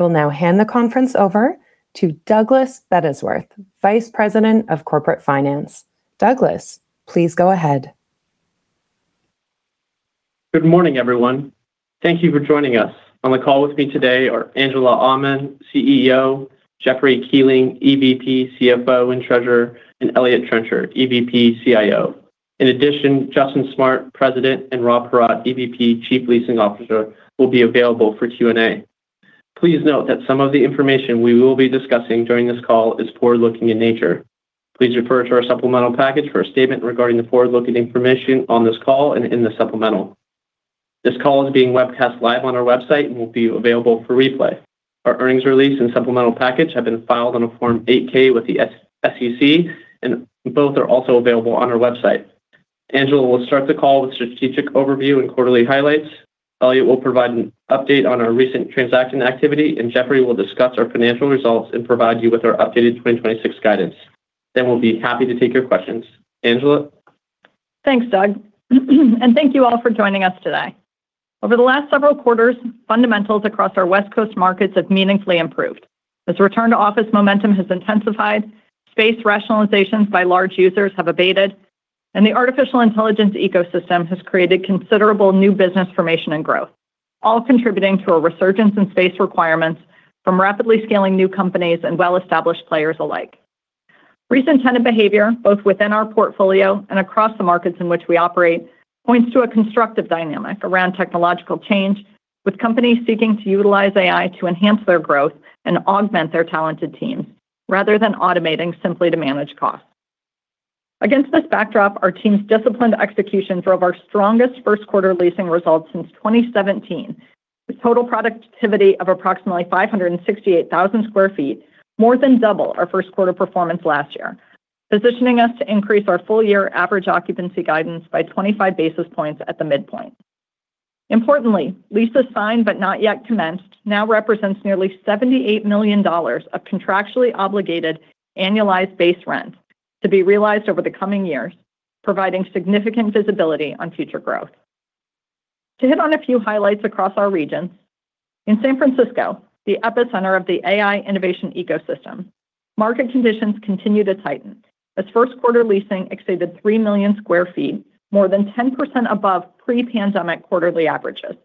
We'll now hand the conference over to Douglas Bettisworth, Vice President of Corporate Finance. Douglas, please go ahead. Good morning, everyone. Thank you for joining us. On the call with me today are Angela Aman, CEO, Jeffrey Kuehling, EVP, CFO, and Treasurer, and Elliot Trencher, EVP, CIO. In addition, Justin W. Smart, President, and Rob Paratte, EVP, Chief Leasing Officer, will be available for Q&A. Please note that some of the information we will be discussing during this call is forward-looking in nature. Please refer to our supplemental package for a statement regarding the forward-looking information on this call and in the supplemental. This call is being webcast live on our website and will be available for replay. Our earnings release and supplemental package have been filed on a Form 8-K with the SEC, and both are also available on our website. Angela will start the call with strategic overview and quarterly highlights. Elliot will provide an update on our recent transaction activity, and Jeffrey will discuss our financial results and provide you with our updated 2026 guidance. We'll be happy to take your questions. Angela? Thanks, Doug. Thank you all for joining us today. Over the last several quarters, fundamentals across our West Coast markets have meaningfully improved. As return-to-office momentum has intensified, space rationalizations by large users have abated, and the artificial intelligence ecosystem has created considerable new business formation and growth, all contributing to a resurgence in space requirements from rapidly scaling new companies and well-established players alike. Recent tenant behavior, both within our portfolio and across the markets in which we operate, points to a constructive dynamic around technological change, with companies seeking to utilize AI to enhance their growth and augment their talented teams rather than automating simply to manage costs. Against this backdrop, our team's disciplined execution drove our strongest first quarter leasing results since 2017, with total productivity of approximately 568,000 sq ft, more than double our first quarter performance last year, positioning us to increase our full year average occupancy guidance by 25 basis points at the midpoint. Importantly, leases signed but not yet commenced now represents nearly $78 million of contractually obligated annualized base rents to be realized over the coming years, providing significant visibility on future growth. To hit on a few highlights across our regions, in San Francisco, the epicenter of the AI innovation ecosystem, market conditions continue to tighten. This first quarter leasing exceeded 3 million sq ft, more than 10% above pre-pandemic quarterly averages,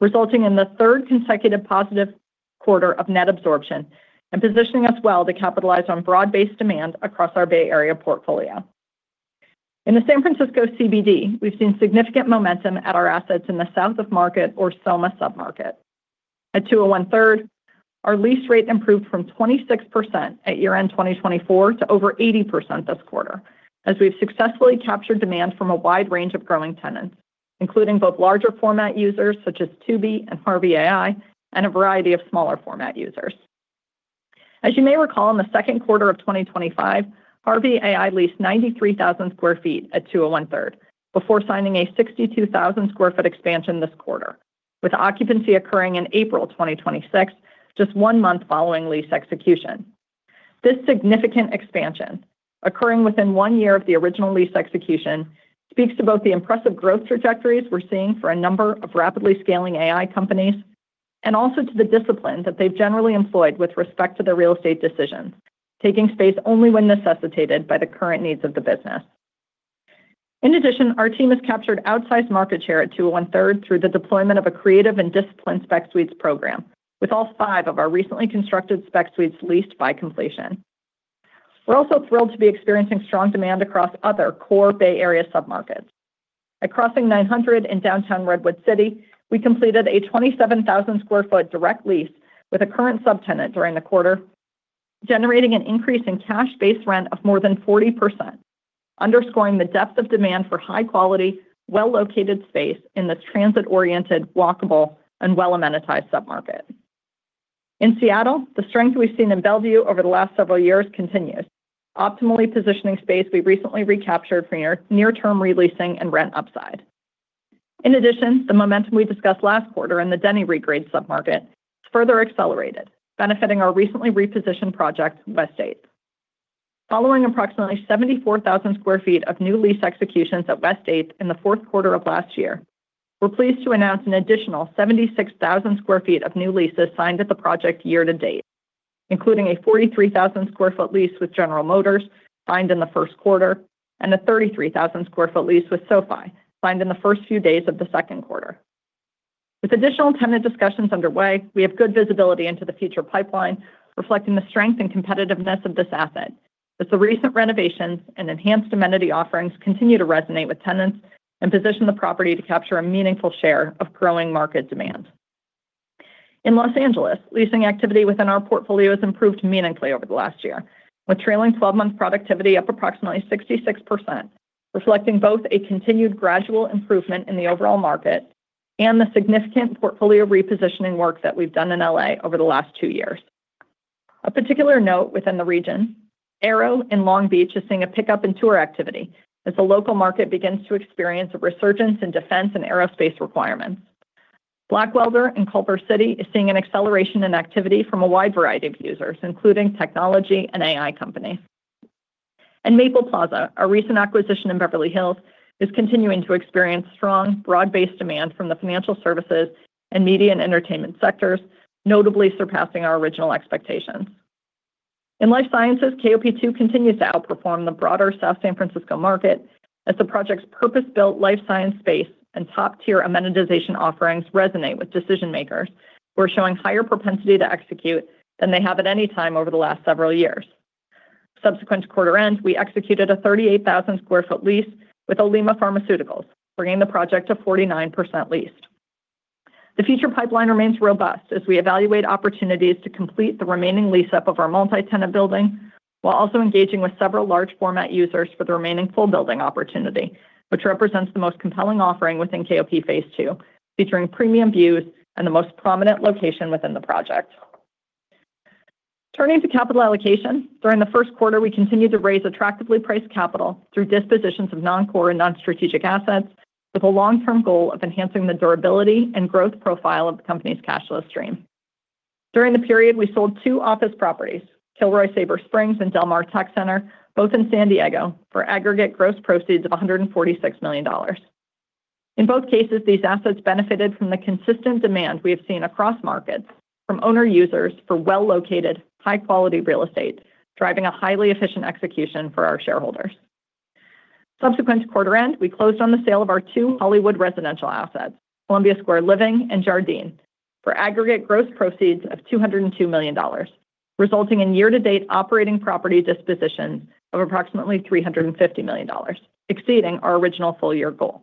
resulting in the third consecutive positive quarter of net absorption and positioning us well to capitalize on broad-based demand across our Bay Area portfolio. In the San Francisco CBD, we've seen significant momentum at our assets in the South of Market or SoMa submarket. At 201 Third, our lease rate improved from 26% at year-end 2024 to over 80% this quarter, as we've successfully captured demand from a wide range of growing tenants, including both larger format users such as Tubi and Harvey AI and a variety of smaller format users. As you may recall, in the second quarter of 2025, Harvey AI leased 93,000 sq ft at 201 Third before signing a 62,000 sq ft expansion this quarter, with occupancy occurring in April 2026, just one month following lease execution. This significant expansion, occurring within one year of the original lease execution, speaks to both the impressive growth trajectories we're seeing for a number of rapidly scaling AI companies and also to the discipline that they've generally employed with respect to their real estate decisions, taking space only when necessitated by the current needs of the business. In addition, our team has captured outsized market share at 201 Third through the deployment of a creative and disciplined spec suites program, with all five of our recently constructed spec suites leased by completion. We're also thrilled to be experiencing strong demand across other core Bay Area submarkets. At Crossing 900 in downtown Redwood City, we completed a 27,000 sq ft direct lease with a current subtenant during the quarter, generating an increase in cash base rent of more than 40%, underscoring the depth of demand for high quality, well-located space in this transit-oriented, walkable, and well-amenitized submarket. In Seattle, the strength we've seen in Bellevue over the last several years continues, optimally positioning space we've recently recaptured for near-term re-leasing and rent upside. In addition, the momentum we discussed last quarter in the Denny Regrade submarket further accelerated, benefiting our recently repositioned project, West Eighth. Following approximately 74,000 sq ft of new lease executions at West Eighth in the fourth quarter of last year, we're pleased to announce an additional 76,000 sq ft of new leases signed at the project year to date, including a 43,000 sq ft lease with General Motors signed in the first quarter and a 33,000 sq ft lease with SoFi signed in the first few days of the second quarter. With additional tenant discussions underway, we have good visibility into the future pipeline, reflecting the strength and competitiveness of this asset, as the recent renovations and enhanced amenity offerings continue to resonate with tenants and position the property to capture a meaningful share of growing market demand. In Los Angeles, leasing activity within our portfolio has improved meaningfully over the last year, with trailing twelve-month productivity up approximately 66%, reflecting both a continued gradual improvement in the overall market and the significant portfolio repositioning work that we've done in L.A. over the last two years. Of particular note within the region, Arrow in Long Beach is seeing a pickup in tour activity as the local market begins to experience a resurgence in defense and aerospace requirements. Blackwelder in Culver City is seeing an acceleration in activity from a wide variety of users, including technology and AI companies. Maple Plaza, our recent acquisition in Beverly Hills, is continuing to experience strong, broad-based demand from the financial services and media and entertainment sectors, notably surpassing our original expectations. In life sciences, KOPT continues to outperform the broader South San Francisco market as the project's purpose-built life science space and top-tier amenitization offerings resonate with decision-makers who are showing higher propensity to execute than they have at any time over the last several years. Subsequent to quarter end, we executed a 38,000 sq ft lease with Olema Pharmaceuticals, bringing the project to 49% leased. The future pipeline remains robust as we evaluate opportunities to complete the remaining lease-up of our multi-tenant building while also engaging with several large format users for the remaining full building opportunity, which represents the most compelling offering within KOPT phase II, featuring premium views and the most prominent location within the project. Turning to capital allocation, during the first quarter, we continued to raise attractively priced capital through dispositions of non-core and non-strategic assets with a long-term goal of enhancing the durability and growth profile of the company's cash flow stream. During the period, we sold two office properties, Kilroy Sabre Springs and Del Mar Tech Center, both in San Diego, for aggregate gross proceeds of $146 million. In both cases, these assets benefited from the consistent demand we have seen across markets from owner users for well-located, high-quality real estate, driving a highly efficient execution for our shareholders. Subsequent to quarter end, we closed on the sale of our two Hollywood residential assets, Columbia Square Living and Jardine, for aggregate gross proceeds of $202 million, resulting in year-to-date operating property dispositions of approximately $350 million, exceeding our original full year goal.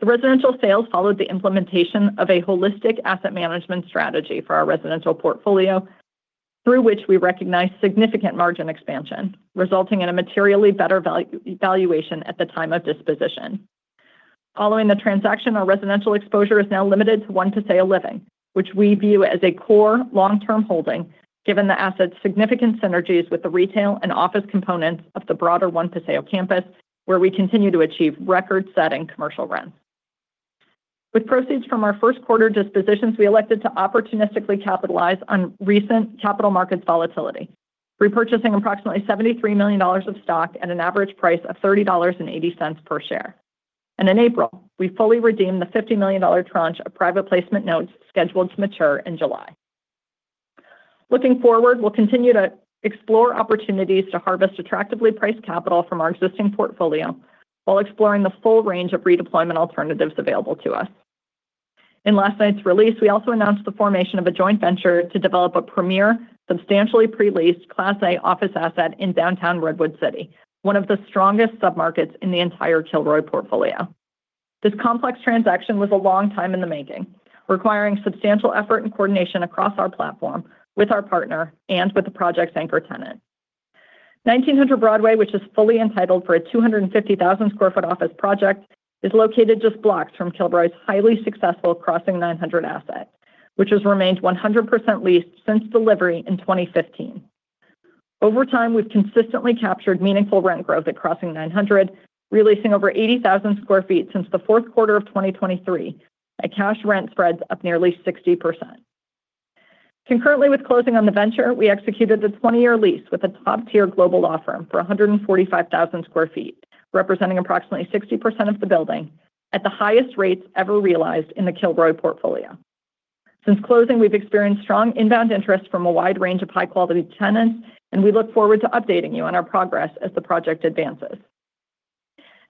The residential sales followed the implementation of a holistic asset management strategy for our residential portfolio through which we recognized significant margin expansion, resulting in a materially better value, valuation at the time of disposition. Following the transaction, our residential exposure is now limited to One Paseo Living, which we view as a core long-term holding given the asset's significant synergies with the retail and office components of the broader One Paseo campus, where we continue to achieve record-setting commercial rents. With proceeds from our first quarter dispositions, we elected to opportunistically capitalize on recent capital markets volatility, repurchasing approximately $73 million of stock at an average price of $30.80 per share. In April, we fully redeemed the $50 million tranche of private placement notes scheduled to mature in July. Looking forward, we'll continue to explore opportunities to harvest attractively priced capital from our existing portfolio while exploring the full range of redeployment alternatives available to us. In last night's release, we also announced the formation of a joint venture to develop a premier, substantially pre-leased Class A office asset in downtown Redwood City, one of the strongest submarkets in the entire Kilroy portfolio. This complex transaction was a long time in the making, requiring substantial effort and coordination across our platform with our partner and with the project's anchor tenant. 1900 Broadway, which is fully entitled for a 250,000 sq ft office project, is located just blocks from Kilroy's highly successful Crossing 900 asset, which has remained 100% leased since delivery in 2015. Over time, we've consistently captured meaningful rent growth at Crossing 900, re-leasing over 80,000 sq ft since the fourth quarter of 2023 at cash rent spreads up nearly 60%. Concurrently with closing on the venture, we executed a 20-year lease with a top-tier global law firm for 145,000 sq ft, representing approximately 60% of the building at the highest rates ever realized in the Kilroy portfolio. Since closing, we've experienced strong inbound interest from a wide range of high-quality tenants, and we look forward to updating you on our progress as the project advances.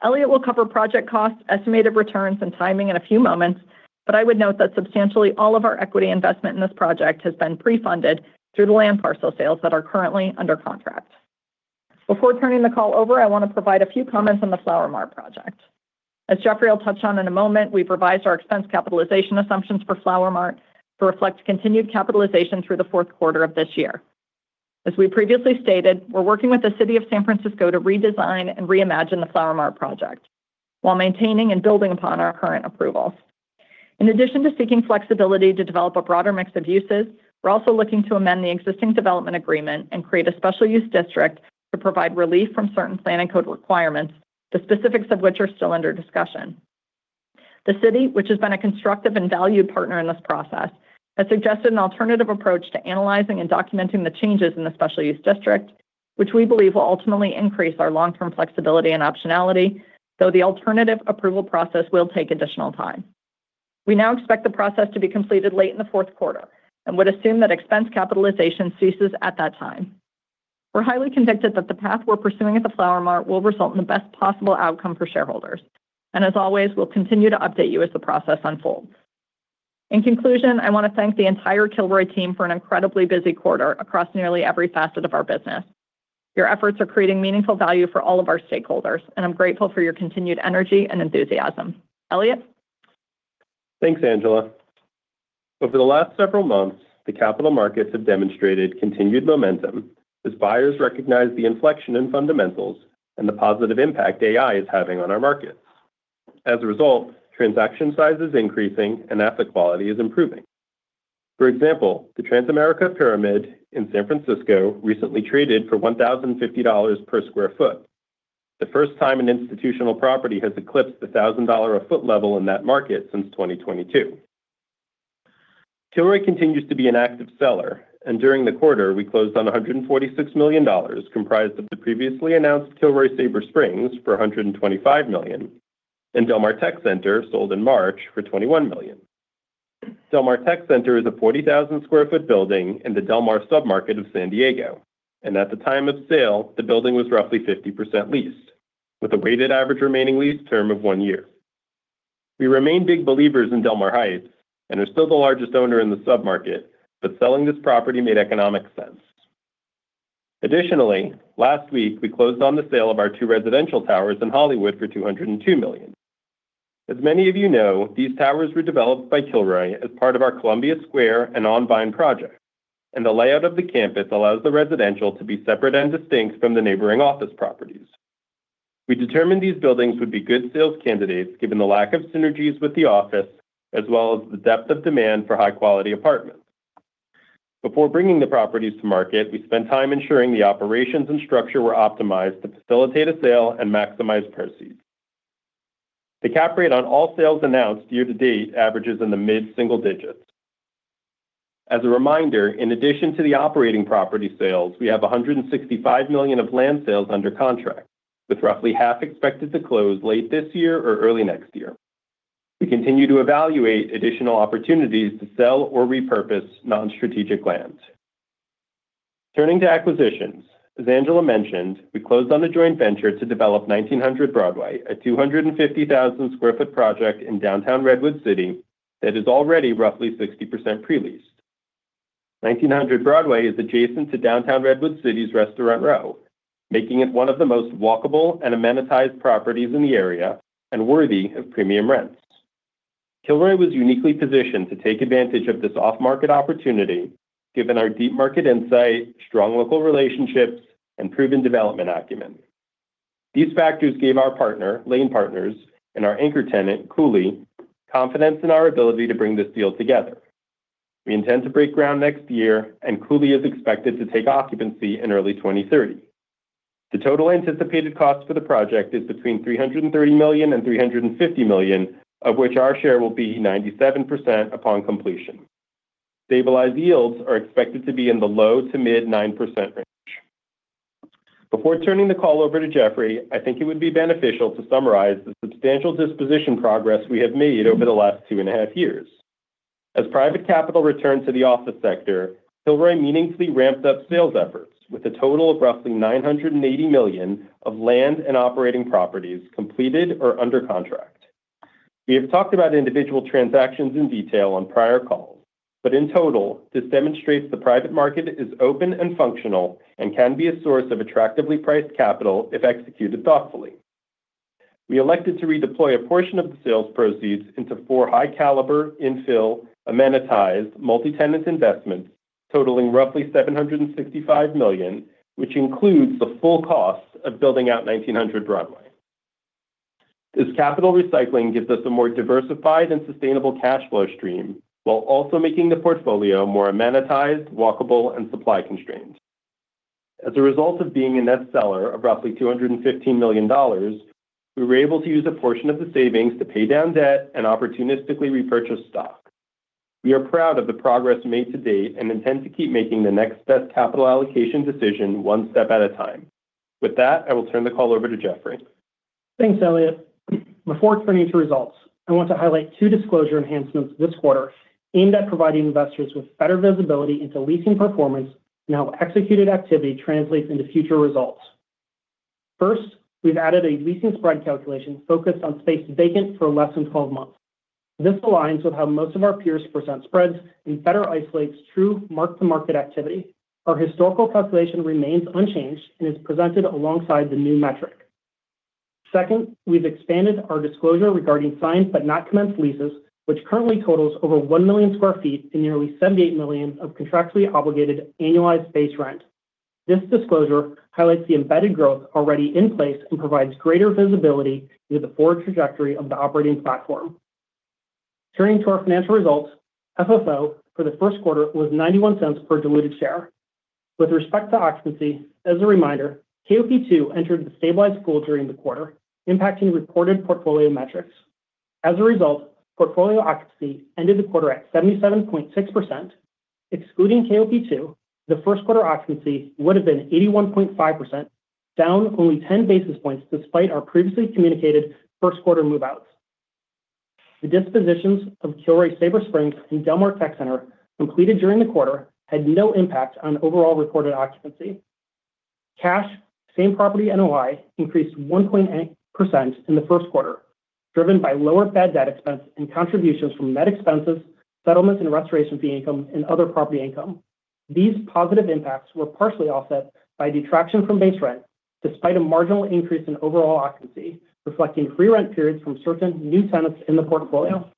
Elliot will cover project costs, estimated returns, and timing in a few moments, but I would note that substantially all of our equity investment in this project has been pre-funded through the land parcel sales that are currently under contract. Before turning the call over, I want to provide a few comments on the Flower Mart project. As Jeffrey will touch on in a moment, we've revised our expense capitalization assumptions for Flower Mart to reflect continued capitalization through the fourth quarter of this year. As we previously stated, we're working with the City of San Francisco to redesign and reimagine the Flower Mart project while maintaining and building upon our current approvals. In addition to seeking flexibility to develop a broader mix of uses, we're also looking to amend the existing development agreement and create a Special Use District to provide relief from certain plan and code requirements, the specifics of which are still under discussion. The city, which has been a constructive and valued partner in this process, has suggested an alternative approach to analyzing and documenting the changes in the Special Use District, which we believe will ultimately increase our long-term flexibility and optionality, though the alternative approval process will take additional time. We now expect the process to be completed late in the fourth quarter and would assume that expense capitalization ceases at that time. We're highly convicted that the path we're pursuing at the Flower Mart will result in the best possible outcome for shareholders. As always, we'll continue to update you as the process unfolds. In conclusion, I want to thank the entire Kilroy team for an incredibly busy quarter across nearly every facet of our business. Your efforts are creating meaningful value for all of our stakeholders, and I am grateful for your continued energy and enthusiasm. Elliot? Thanks, Angela. Over the last several months, the capital markets have demonstrated continued momentum as buyers recognize the inflection in fundamentals and the positive impact AI is having on our markets. As a result, transaction size is increasing and asset quality is improving. For example, the Transamerica Pyramid in San Francisco recently traded for $1,050 per sq ft, the first time an institutional property has eclipsed the $1,000 a foot level in that market since 2022. Kilroy continues to be an active seller, and during the quarter, we closed on $146 million comprised of the previously announced Kilroy Sabre Springs for $125 million, and Del Mar Tech Center sold in March for $21 million. Del Mar Tech Center is a 40,000 sq ft building in the Del Mar submarket of San Diego, and at the time of sale, the building was roughly 50% leased with a weighted average remaining lease term of one year. We remain big believers in Del Mar Heights and are still the largest owner in the submarket, but selling this property made economic sense. Additionally, last week we closed on the sale of our two residential towers in Hollywood for $202 million. As many of you know, these towers were developed by Kilroy as part of our Columbia Square and On Vine project, and the layout of the campus allows the residential to be separate and distinct from the neighboring office properties. We determined these buildings would be good sales candidates given the lack of synergies with the office as well as the depth of demand for high quality apartments. Before bringing the properties to market, we spent time ensuring the operations and structure were optimized to facilitate a sale and maximize proceeds. The cap rate on all sales announced year to date averages in the mid single digits. As a reminder, in addition to the operating property sales, we have $165 million of land sales under contract, with roughly half expected to close late this year or early next year. We continue to evaluate additional opportunities to sell or repurpose non-strategic lands. Turning to acquisitions. As Angela mentioned, we closed on a joint venture to develop 1900 Broadway, a 250,000 sq ft project in downtown Redwood City that is already roughly 60% pre-leased. 1900 Broadway is adjacent to downtown Redwood City's Restaurant Row, making it one of the most walkable and amenitized properties in the area and worthy of premium rents. Kilroy was uniquely positioned to take advantage of this off market opportunity given our deep market insight, strong local relationships, and proven development acumen. These factors gave our partner, Lane Partners, and our anchor tenant, Cooley, confidence in our ability to bring this deal together. We intend to break ground next year, and Cooley is expected to take occupancy in early 2030. The total anticipated cost for the project is between $330 million and $350 million, of which our share will be 97% upon completion. Stabilized yields are expected to be in the low to mid 9% range. Before turning the call over to Jeffrey, I think it would be beneficial to summarize the substantial disposition progress we have made over the last 2.5 years. As private capital returned to the office sector, Kilroy meaningfully ramped up sales efforts with a total of roughly $980 million of land and operating properties completed or under contract. We have talked about individual transactions in detail on prior calls, in total, this demonstrates the private market is open and functional and can be a source of attractively priced capital if executed thoughtfully. We elected to redeploy a portion of the sales proceeds into four high caliber infill, amenitized, multi-tenant investments totaling roughly $765 million, which includes the full cost of building out 1900 Broadway. This capital recycling gives us a more diversified and sustainable cash flow stream while also making the portfolio more amenitized, walkable and supply constrained. As a result of being a net seller of roughly $215 million, we were able to use a portion of the savings to pay down debt and opportunistically repurchase stock. We are proud of the progress made to date and intend to keep making the next best capital allocation decision one step at a time. With that, I will turn the call over to Jeffrey. Thanks, Elliot. Before turning to results, I want to highlight two disclosure enhancements this quarter aimed at providing investors with better visibility into leasing performance and how executed activity translates into future results. First, we've added a leasing spread calculation focused on space vacant for less than 12 months. This aligns with how most of our peers present spreads and better isolates true mark to market activity. Our historical calculation remains unchanged and is presented alongside the new metric. Second, we've expanded our disclosure regarding signed but not commenced leases, which currently totals over 1 million sq ft and nearly $78 million of contractually obligated annualized base rent. This disclosure highlights the embedded growth already in place and provides greater visibility into the forward trajectory of the operating platform. Turning to our financial results. FFO for the first quarter was $0.91 per diluted share. With respect to occupancy, as a reminder, KOPT entered the stabilized pool during the quarter, impacting reported portfolio metrics. As a result, portfolio occupancy ended the quarter at 77.6%. Excluding KOPT, the first quarter occupancy would have been 81.5%, down only 10 basis points despite our previously communicated first quarter move-outs. The dispositions of Kilroy Sabre Springs and Del Mar Tech Center completed during the quarter had no impact on overall reported occupancy. Cash same property NOI increased 1.0% in the first quarter, driven by lower bad debt expense and contributions from net expenses, settlements and restoration fee income, and other property income. These positive impacts were partially offset by detraction from base rent despite a marginal increase in overall occupancy, reflecting free rent periods from certain new tenants in the portfolio.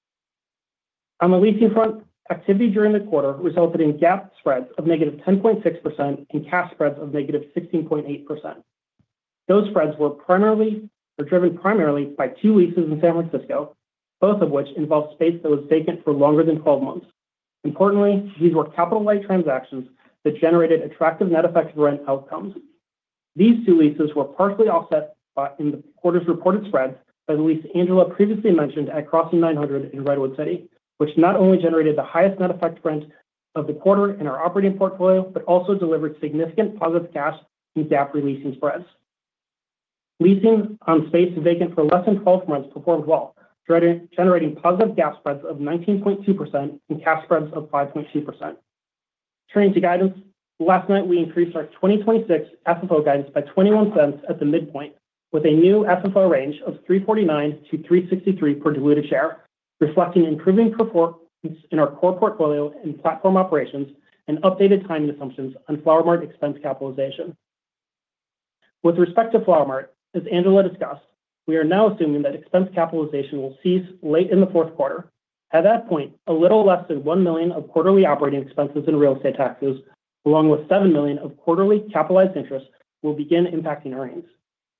On the leasing front, activity during the quarter resulted in GAAP spreads of -10.6% and CAS spreads of -16.8%. Those spreads were driven primarily by two leases in San Francisco, both of which involved space that was vacant for longer than 12 months. Importantly, these were capital light transactions that generated attractive net effective rent outcomes. These two leases were partially offset by in the quarter's reported spreads by the lease Angela previously mentioned at Crossing 900 in Redwood City, which not only generated the highest net effective rent of the quarter in our operating portfolio, but also delivered significant positive cash and GAAP re-leasing spreads. Leasing on space vacant for less than 12 months performed well, generating positive GAAP spreads of 19.2% and cash spreads of 5.2%. Turning to guidance, last night we increased our 2026 FFO guidance by $0.21 at the midpoint with a new FFO range of $3.49-$3.63 per diluted share, reflecting improving performance in our core portfolio and platform operations and updated timing assumptions on Flower Mart expense capitalization. With respect to Flower Mart, as Angela discussed, we are now assuming that expense capitalization will cease late in the fourth quarter. At that point, a little less than $1 million of quarterly operating expenses and real estate taxes, along with $7 million of quarterly capitalized interest will begin impacting earnings.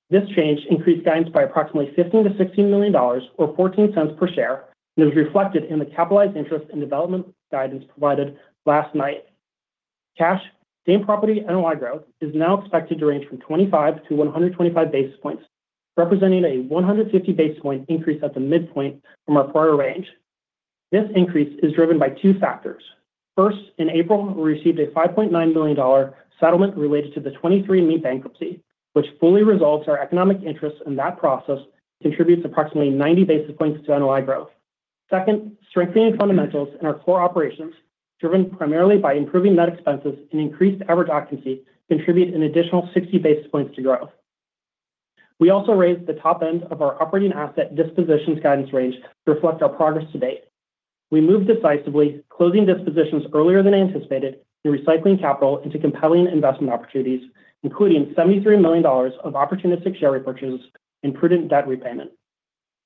This change increased guidance by approximately $15 million-$16 million or $0.14 per share and is reflected in the capitalized interest and development guidance provided last night. Cash same property NOI growth is now expected to range from 25 to 125 basis points, representing a 150 basis point increase at the midpoint from our prior range. This increase is driven by two factors. First, in April, we received a $5.9 million settlement related to the 23andMe bankruptcy, which fully resolves our economic interest in that process contributes approximately 90 basis points to NOI growth. Second, strengthening fundamentals in our core operations, driven primarily by improving net expenses and increased average occupancy, contribute an additional 60 basis points to growth. We also raised the top end of our operating asset dispositions guidance range to reflect our progress to date. We moved decisively, closing dispositions earlier than anticipated and recycling capital into compelling investment opportunities, including $73 million of opportunistic share repurchases and prudent debt repayment.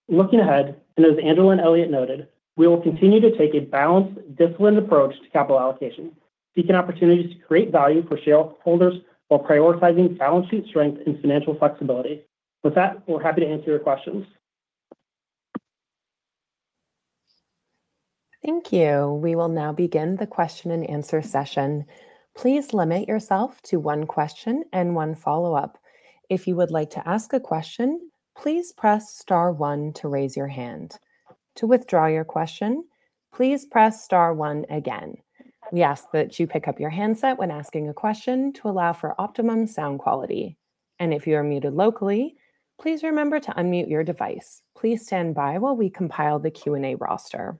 Looking ahead, as Angela and Elliot noted, we will continue to take a balanced, disciplined approach to capital allocation, seeking opportunities to create value for shareholders while prioritizing balance sheet strength and financial flexibility. With that, we're happy to answer your questions. Thank you. We will now begin the question and answer session. Please limit yourself to one question and one follow-up. If you would like to ask a question, please press star one to raise your hand. To withdraw your question, please press star one again. We ask that you pick up your handset when asking a question to allow for optimum sound quality. If you are muted locally, please remember to unmute your device. Please stand by while we compile the Q&A roster.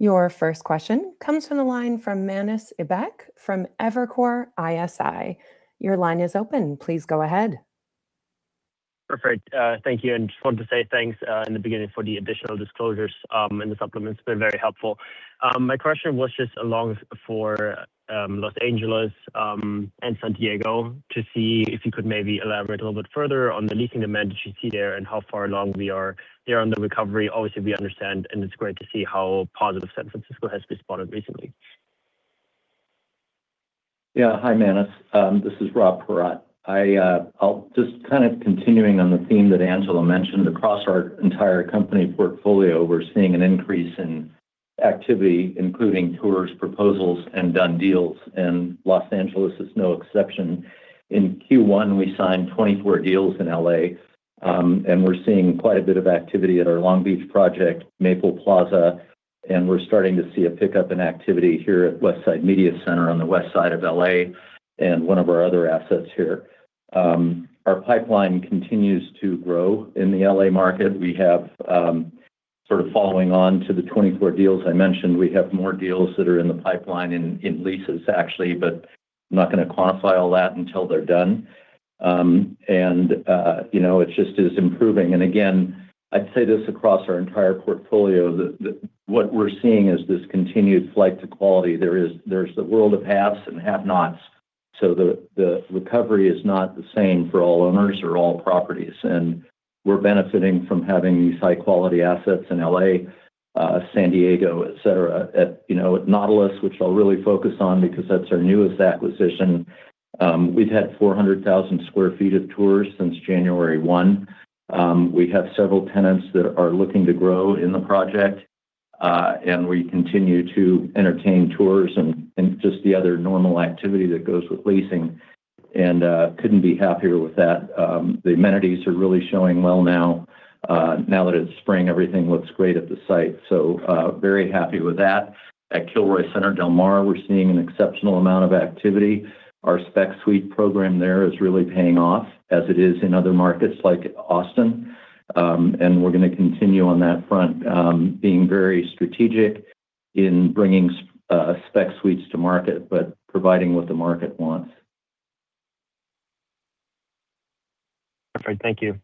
Your first question comes from the line from Manus Ibek from Evercore ISI. Your line is open. Please go ahead. Perfect. Thank you. Just wanted to say thanks in the beginning for the additional disclosures and the supplements. They're very helpful. My question was just along for Los Angeles and San Diego to see if you could maybe elaborate a little bit further on the leasing demand that you see there and how far along we are there on the recovery. Obviously, we understand, and it's great to see how positive San Francisco has responded recently. Yeah. Hi, Manus Ibek. This is Rob Paratte. I'll just kind of continuing on the theme that Angela Aman mentioned. Across our entire company portfolio, we're seeing an increase in activity, including tours, proposals, and done deals, and Los Angeles is no exception. In Q1, we signed 24 deals in L.A., and we're seeing quite a bit of activity at our Long Beach project, Maple Plaza, and we're starting to see a pickup in activity here at Westside Media Center on the west side of L.A. and one of our other assets here. Our pipeline continues to grow in the L.A. market. We have, sort of following on to the 24 deals I mentioned. We have more deals that are in the pipeline in leases actually, but I'm not gonna quantify all that until they're done. You know, it just is improving. Again, I'd say this across our entire portfolio that what we're seeing is this continued flight to quality. There's the world of haves and have-nots. The recovery is not the same for all owners or all properties. We're benefiting from having these high-quality assets in L.A., San Diego, et cetera. At, you know, at Nautilus, which I'll really focus on because that's our newest acquisition, we've had 400,000 sq ftt of tours since January 1. We have several tenants that are looking to grow in the project. We continue to entertain tours and just the other normal activity that goes with leasing. Couldn't be happier with that. The amenities are really showing well now. Now that it's spring, everything looks great at the site. Very happy with that. At Kilroy Center Del Mar, we're seeing an exceptional amount of activity. Our spec suite program there is really paying off as it is in other markets like Austin. We're gonna continue on that front, being very strategic in bringing spec suites to market, but providing what the market wants. Perfect. Thank you.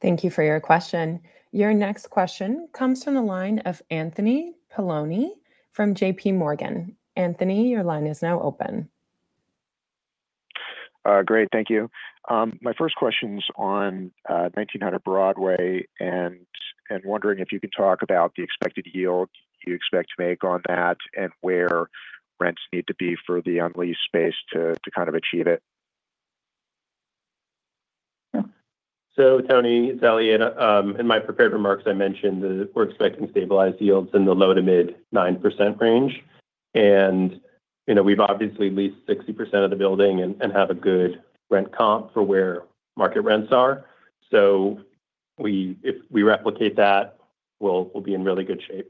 Thank you for your question. Your next question comes from the line of Anthony Paolone from JPMorgan. Anthony, your line is now open. Great. Thank you. My first question's on 1,900 Broadway and wondering if you could talk about the expected yield you expect to make on that and where rents need to be for the unleased space to kind of achieve it. Anthony, it's Elliot. In my prepared remarks I mentioned that we're expecting stabilized yields in the low to mid 9% range. You know, we've obviously leased 60% of the building and have a good rent comp for where market rents are. If we replicate that, we'll be in really good shape.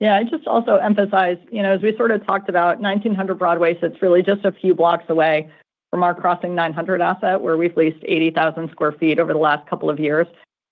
Yeah. I'd just also emphasize, you know, as we sort of talked about 1900 Broadway sits really just a few blocks away from our Crossing 900 asset, where we've leased 80,000 sq ft over the last couple of years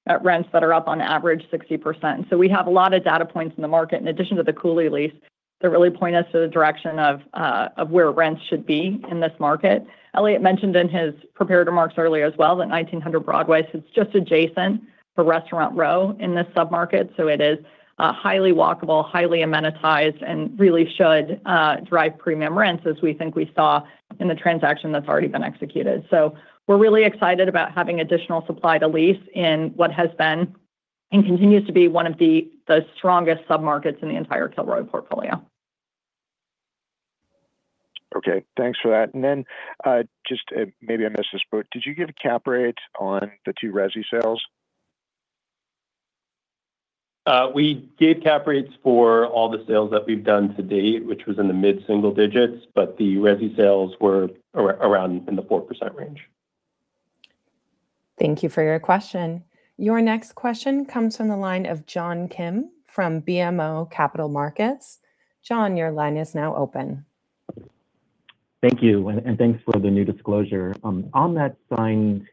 at rents that are up on average 60%. We have a lot of data points in the market in addition to the Cooley lease that really point us to the direction of where rents should be in this market. Elliot mentioned in his prepared remarks earlier as well that 1900 Broadway sits just adjacent to Restaurant Row in this sub-market, so it is highly walkable, highly amenitized, and really should drive premium rents as we think we saw in the transaction that's already been executed. We're really excited about having additional supply to lease in what has been, and continues to be one of the strongest sub-markets in the entire Kilroy portfolio. Okay. Thanks for that. Just, maybe I missed this, but did you give cap rates on the two resi sales? We gave cap rates for all the sales that we've done to date, which was in the mid-single digits, but the resi sales were around in the 4% range. Thank you for your question. Your next question comes from the line of John Kim from BMO Capital Markets. John, your line is now open. Thank you. Thanks for the new disclosure on that signed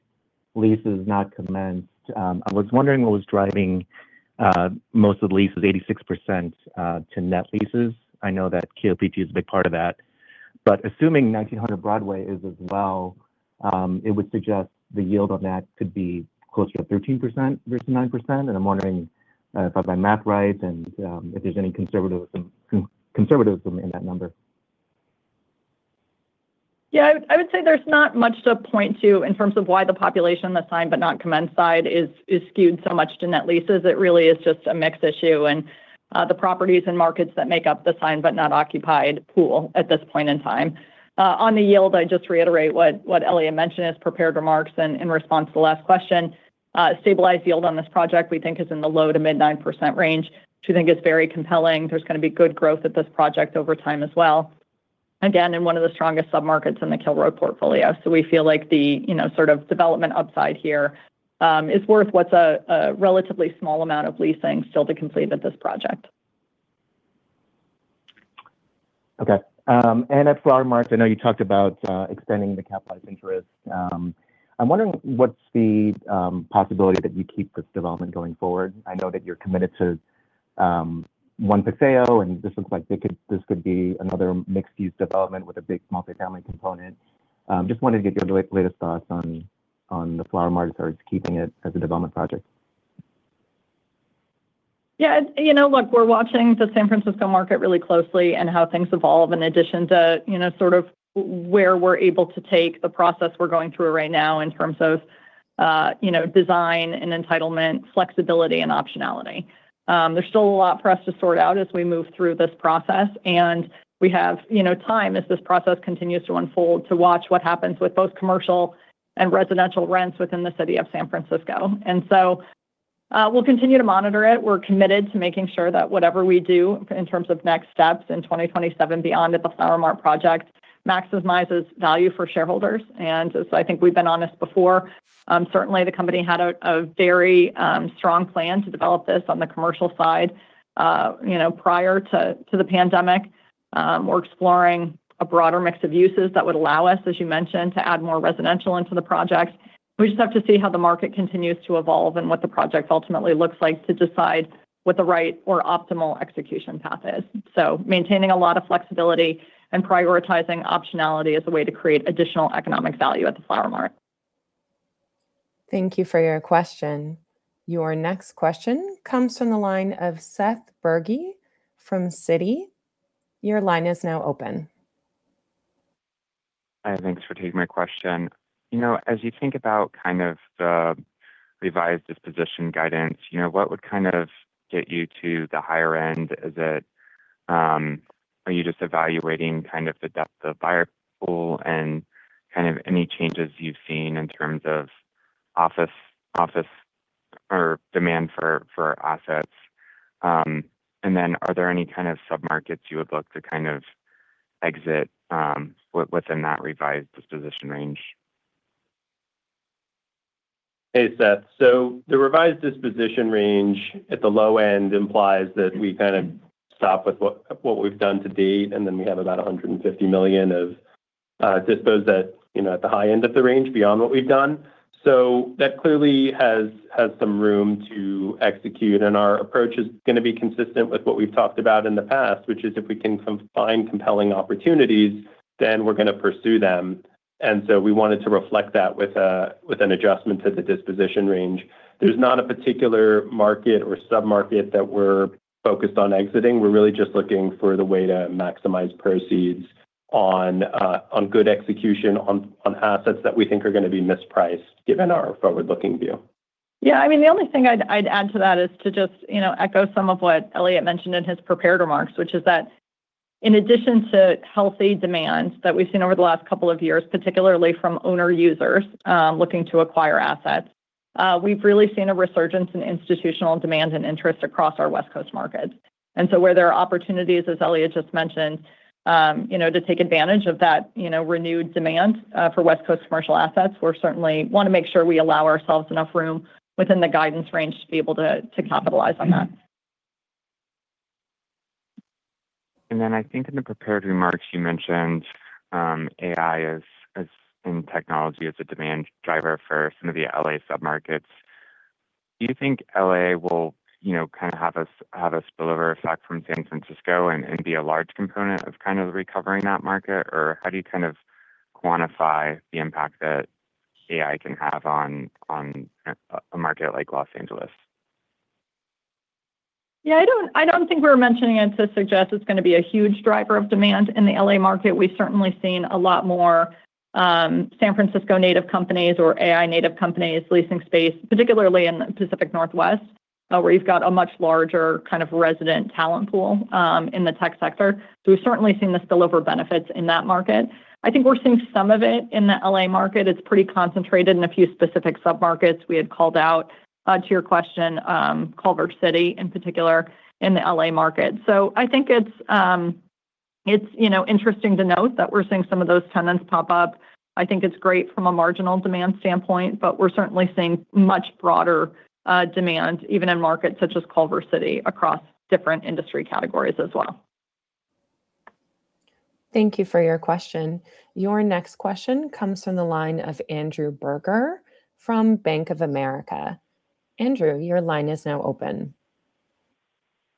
leases not commenced. I was wondering what was driving most of the leases 86% to net leases. I know that KOPT is a big part of that. Assuming 1900 Broadway is as well, it would suggest the yield on that could be closer to 13% versus 9%. I'm wondering if I've my math right and if there's any conservatism in that number. I would say there's not much to point to in terms of why the population that signed but not commenced side is skewed so much to net leases. It really is just a mix issue and the properties and markets that make up the signed but not occupied pool at this point in time. On the yield, I'd just reiterate what Elliot mentioned in his prepared remarks and in response to the last question. Stabilized yield on this project we think is in the low to mid 9% range, which we think is very compelling. There's gonna be good growth at this project over time as well. Again, in one of the strongest submarkets in the Kilroy portfolio. We feel like the, you know, sort of development upside here, is worth what's a relatively small amount of leasing still to complete at this project. Okay. At Flower Mart, I know you talked about extending the capitalized interest. I'm wondering what's the possibility that you keep this development going forward. I know that you're committed to one Paseo, and this looks like this could be another mixed use development with a big multi-family component. Just wanted to get your latest thoughts on the Flower Mart as far as keeping it as a development project. Yeah. You know, look, we're watching the San Francisco market really closely and how things evolve in addition to, you know, sort of where we're able to take the process we're going through right now in terms of design and entitlement, flexibility and optionality. There's still a lot for us to sort out as we move through this process, and we have, you know, time as this process continues to unfold to watch what happens with both commercial and residential rents within the City of San Francisco. We'll continue to monitor it. We're committed to making sure that whatever we do in terms of next steps in 2027 beyond at the Flower Mart project maximizes value for shareholders. As I think we've been honest before, certainly the company had a very strong plan to develop this on the commercial side prior to the pandemic. We're exploring a broader mix of uses that would allow us, as you mentioned, to add more residential into the project. We just have to see how the market continues to evolve and what the project ultimately looks like to decide what the right or optimal execution path is. Maintaining a lot of flexibility and prioritizing optionality as a way to create additional economic value at the Flower Mart. Thank you for your question. Your next question comes from the line of Seth Bergey from Citi. Your line is now open. Hi. Thanks for taking my question. You know, as you think about kind of the revised disposition guidance, you know, what would kind of get you to the higher end? Is it? Are you just evaluating kind of the depth of buyer pool and kind of any changes you've seen in terms of office or demand for assets? Are there any kind of submarkets you would look to kind of exit within that revised disposition range? Hey, Seth. The revised disposition range at the low end implies that we kind of stop with what we've done to date, and then we have about $150 million of dispo's that, you know, at the high end of the range beyond what we've done. That clearly has some room to execute, and our approach is gonna be consistent with what we've talked about in the past, which is if we can find compelling opportunities, then we're gonna pursue them. We wanted to reflect that with an adjustment to the disposition range. There's not a particular market or submarket that we're focused on exiting. We're really just looking for the way to maximize proceeds on good execution on assets that we think are gonna be mispriced given our forward-looking view. Yeah. I mean, the only thing I'd add to that is to just, you know, echo some of what Elliot mentioned in his prepared remarks. In addition to healthy demand that we've seen over the last couple of years, particularly from owner users looking to acquire assets, we've really seen a resurgence in institutional demand and interest across our West Coast markets. Where there are opportunities, as Elliot just mentioned, you know, to take advantage of that, you know, renewed demand for West Coast commercial assets, we certainly wanna make sure we allow ourselves enough room within the guidance range to be able to capitalize on that. I think in the prepared remarks you mentioned AI as in technology as a demand driver for some of the L.A. submarkets. Do you think L.A. will, you know, kind of have a spillover effect from San Francisco and be a large component of kind of recovering that market? Or how do you kind of quantify the impact that AI can have on a market like Los Angeles? Yeah, I don't think we're mentioning it to suggest it's gonna be a huge driver of demand in the L.A. market. We've certainly seen a lot more San Francisco native companies or AI native companies leasing space, particularly in the Pacific Northwest, where you've got a much larger kind of resident talent pool in the tech sector. We've certainly seen the spillover benefits in that market. I think we're seeing some of it in the L.A. market. It's pretty concentrated in a few specific submarkets. We had called out to your question, Culver City in particular in the L.A. market. I think it's, you know, interesting to note that we're seeing some of those tenants pop up. I think it's great from a marginal demand standpoint, but we're certainly seeing much broader demand even in markets such as Culver City across different industry categories as well. Thank you for your question. Your next question comes from the line of Andrew Berger from Bank of America. Andrew, your line is now open.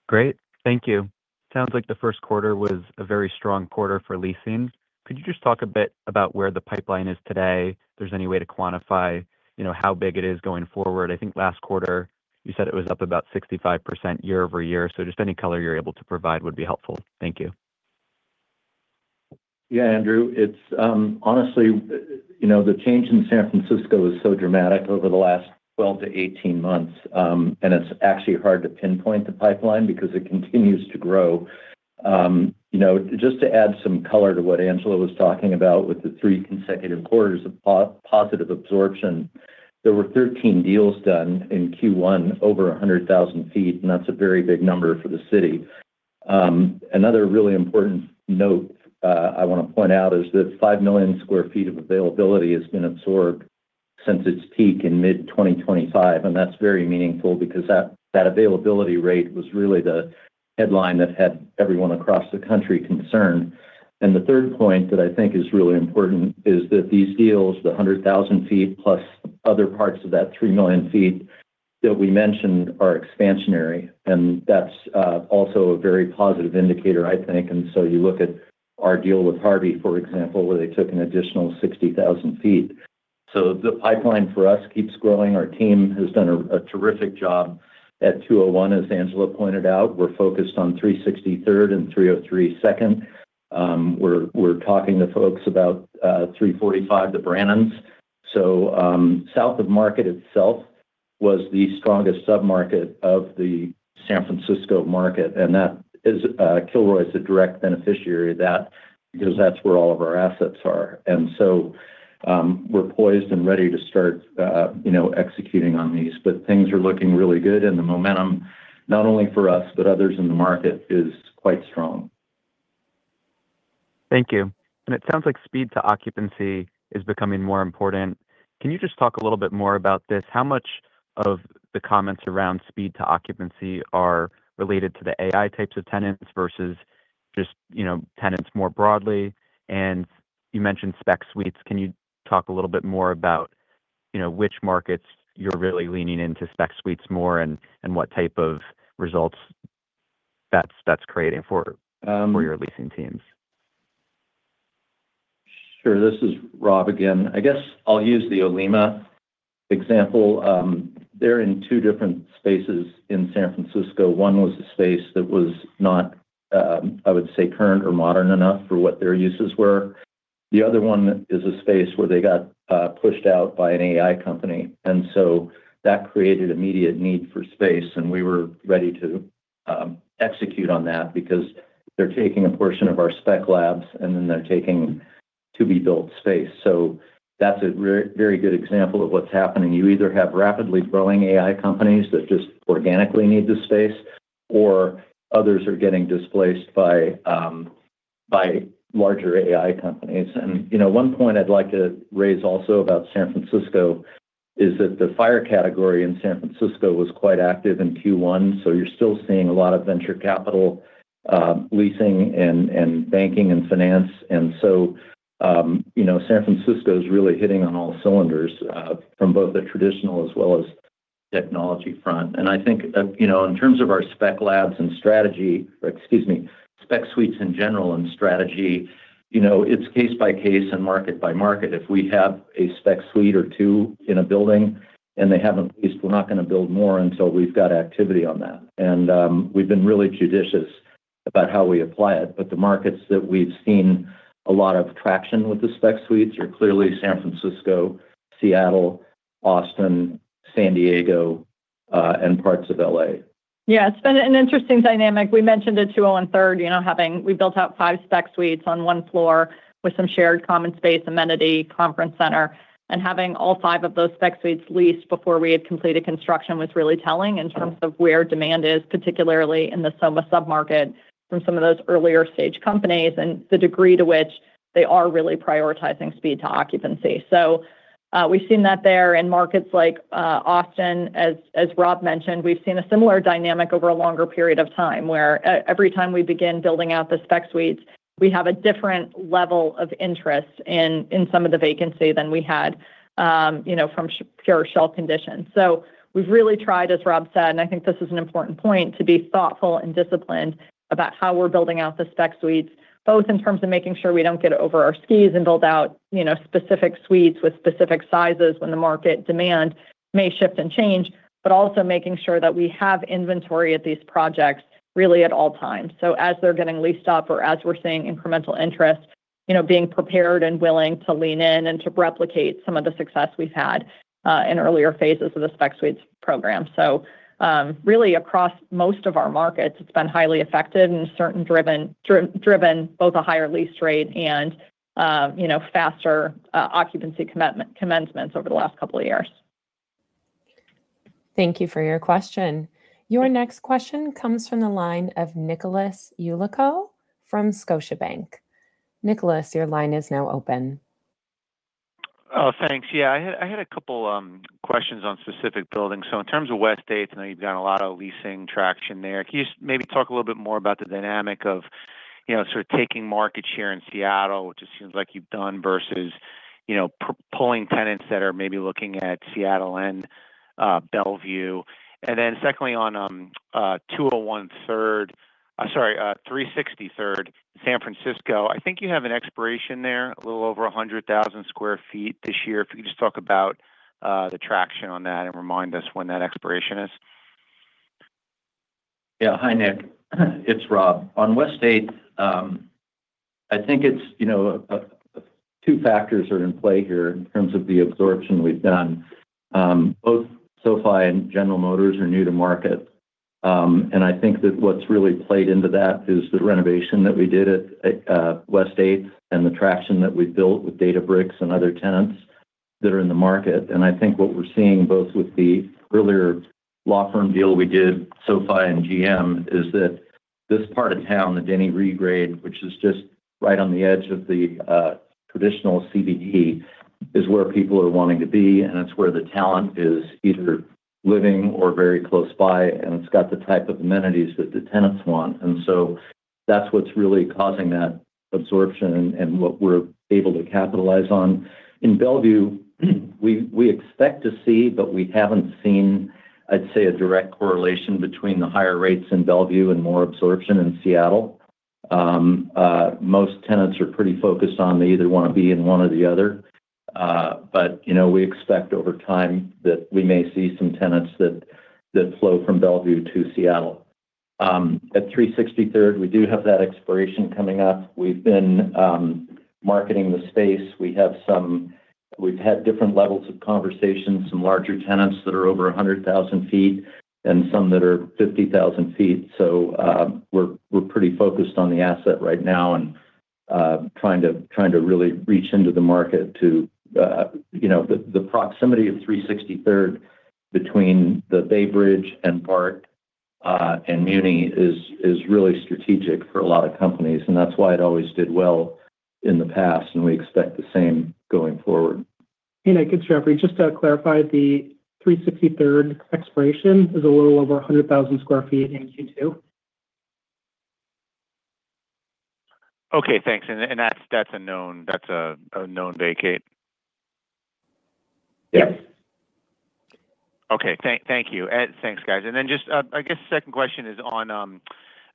Great. Thank you. Sounds like the first quarter was a very strong quarter for leasing. Could you just talk a bit about where the pipeline is today? If there's any way to quantify, you know, how big it is going forward. I think last quarter you said it was up about 65% year-over-year. Just any color you're able to provide would be helpful. Thank you. Yeah, Andrew. It's honestly, you know, the change in San Francisco is so dramatic over the last 12 to 18 months, and it's actually hard to pinpoint the pipeline because it continues to grow. You know, just to add some color to what Angela was talking about with the three consecutive quarters of positive absorption, there were 13 deals done in Q1 over 100,000 ft, and that's a very big number for the city. Another really important note I want to point out is that 5 million sq ft of availability has been absorbed since its peak in mid-2025, and that's very meaningful because that availability rate was really the headline that had everyone across the country concerned. The third point that I think is really important is that these deals, the 100,000 ft plus other parts of that 3 million ft that we mentioned are expansionary, and that's also a very positive indicator, I think. You look at our deal with Harvey, for example, where they took an additional 60,000 ft. The pipeline for us keeps growing. Our team has done a terrific job at 201. As Angela pointed out, we're focused on 360 Third and 303 Second. We're talking to folks about 345 Brannan. South of Market itself was the strongest submarket of the San Francisco market, and that is Kilroy is a direct beneficiary of that because that's where all of our assets are. We're poised and ready to start, you know, executing on these. Things are looking really good, and the momentum, not only for us but others in the market, is quite strong. Thank you. It sounds like speed to occupancy is becoming more important. Can you just talk a little bit more about this? How much of the comments around speed to occupancy are related to the AI types of tenants versus just, you know, tenants more broadly? You mentioned spec suites. Can you talk a little bit more about, you know, which markets you're really leaning into spec suites more and what type of results that's creating for. Um- for your leasing teams? Sure. This is Rob again. I guess I'll use the Olema example. They're in two different spaces in San Francisco. One was a space that was not, I would say, current or modern enough for what their uses were. The other one is a space where they got pushed out by an AI company, that created immediate need for space, and we were ready to execute on that because they're taking a portion of our spec labs, and then they're taking to-be-built space. That's a very good example of what's happening. You either have rapidly growing AI companies that just organically need the space, or others are getting displaced by larger AI companies. You know, one point I'd like to raise also about San Francisco is that the FIRE category in San Francisco was quite active in Q1, you're still seeing a lot of venture capital leasing and banking and finance. You know, San Francisco is really hitting on all cylinders from both the traditional as well as technology front. I think, you know, in terms of our spec labs and strategy, or excuse me, spec suites in general and strategy, you know, it's case by case and market by market. If we have a spec suite or two in a building and they haven't leased, we're not gonna build more until we've got activity on that. We've been really judicious about how we apply it. The markets that we've seen a lot of traction with the spec suites are clearly San Francisco, Seattle, Austin, San Diego, and parts of L.A. Yeah, it's been an interesting dynamic. We mentioned at 303 Second. We built out 5 spec suites on 1 floor with some shared common space, amenity, conference center. Having all five of those spec suites leased before we had completed construction was really telling in terms of where demand is, particularly in the SoMa sub-market from some of those earlier stage companies, and the degree to which they are really prioritizing speed to occupancy. We've seen that there in markets like Austin. As Rob mentioned, we've seen a similar dynamic over a longer period of time. Where every time we begin building out the spec suites, we have a different level of interest in some of the vacancy than we had from pure shell conditions. We've really tried, as Rob said, and I think this is an important point, to be thoughtful and disciplined about how we're building out the spec suites, both in terms of making sure we don't get over our skis and build out, you know, specific suites with specific sizes when the market demand may shift and change. Also making sure that we have inventory at these projects really at all times. As they're getting leased up or as we're seeing incremental interest, you know, being prepared and willing to lean in and to replicate some of the success we've had in earlier phases of the spec suites program. Really across most of our markets, it's been highly effective and certain driven both a higher lease rate and, you know, faster occupancy commitment, commencements over the last couple of years. Thank you for your question. Your next question comes from the line of Nicholas Yulico from Scotiabank. Nicholas, your line is now open. Oh, thanks. Yeah, I had a couple questions on specific buildings. In terms of West Eighth, I know you've done a lot of leasing traction there. Can you just maybe talk a little bit more about the dynamic of, you know, sort of taking market share in Seattle, which it seems like you've done, versus, you know, pulling tenants that are maybe looking at Seattle and Bellevue. Secondly, on 360 Third, San Francisco. I think you have an expiration there, a little over 100,000 sq ft this year. If you could just talk about the traction on that and remind us when that expiration is. Yeah. Hi, Nick. It's Rob. On West Eighth, I think it's, you know, two factors are in play here in terms of the absorption we've done. Both SoFi and General Motors are new to market. I think that what's really played into that is the renovation that we did at West Eighth, and the traction that we've built with Databricks and other tenants that are in the market. I think what we're seeing both with the earlier law firm deal we did, SoFi and GM, is that this part of town, the Denny Regrade, which is just right on the edge of the traditional CBD, is where people are wanting to be, and it's where the talent is either living or very close by, and it's got the type of amenities that the tenants want. That's what's really causing that absorption and what we're able to capitalize on. In Bellevue, we expect to see, but we haven't seen, I'd say, a direct correlation between the higher rates in Bellevue and more absorption in Seattle. Most tenants are pretty focused on they either want to be in one or the other. But, you know, we expect over time that we may see some tenants that flow from Bellevue to Seattle. At 360 Third, we do have that expiration coming up. We've been marketing the space. We've had different levels of conversations, some larger tenants that are over 100,000 ft and some that are 50,000 ft. We're pretty focused on the asset right now and trying to really reach into the market to, you know. The proximity of 360 Third between the Bay Bridge and BART, and Muni is really strategic for a lot of companies, and that's why it always did well in the past, and we expect the same going forward. Hey, Nick. It's Jeffrey. Just to clarify, the 360 Third expiration is a little over 100,000 sq ft in Q2. Okay, thanks. That's a known vacate? Yes. Okay. Thank you. Thanks, guys. Then just I guess second question is on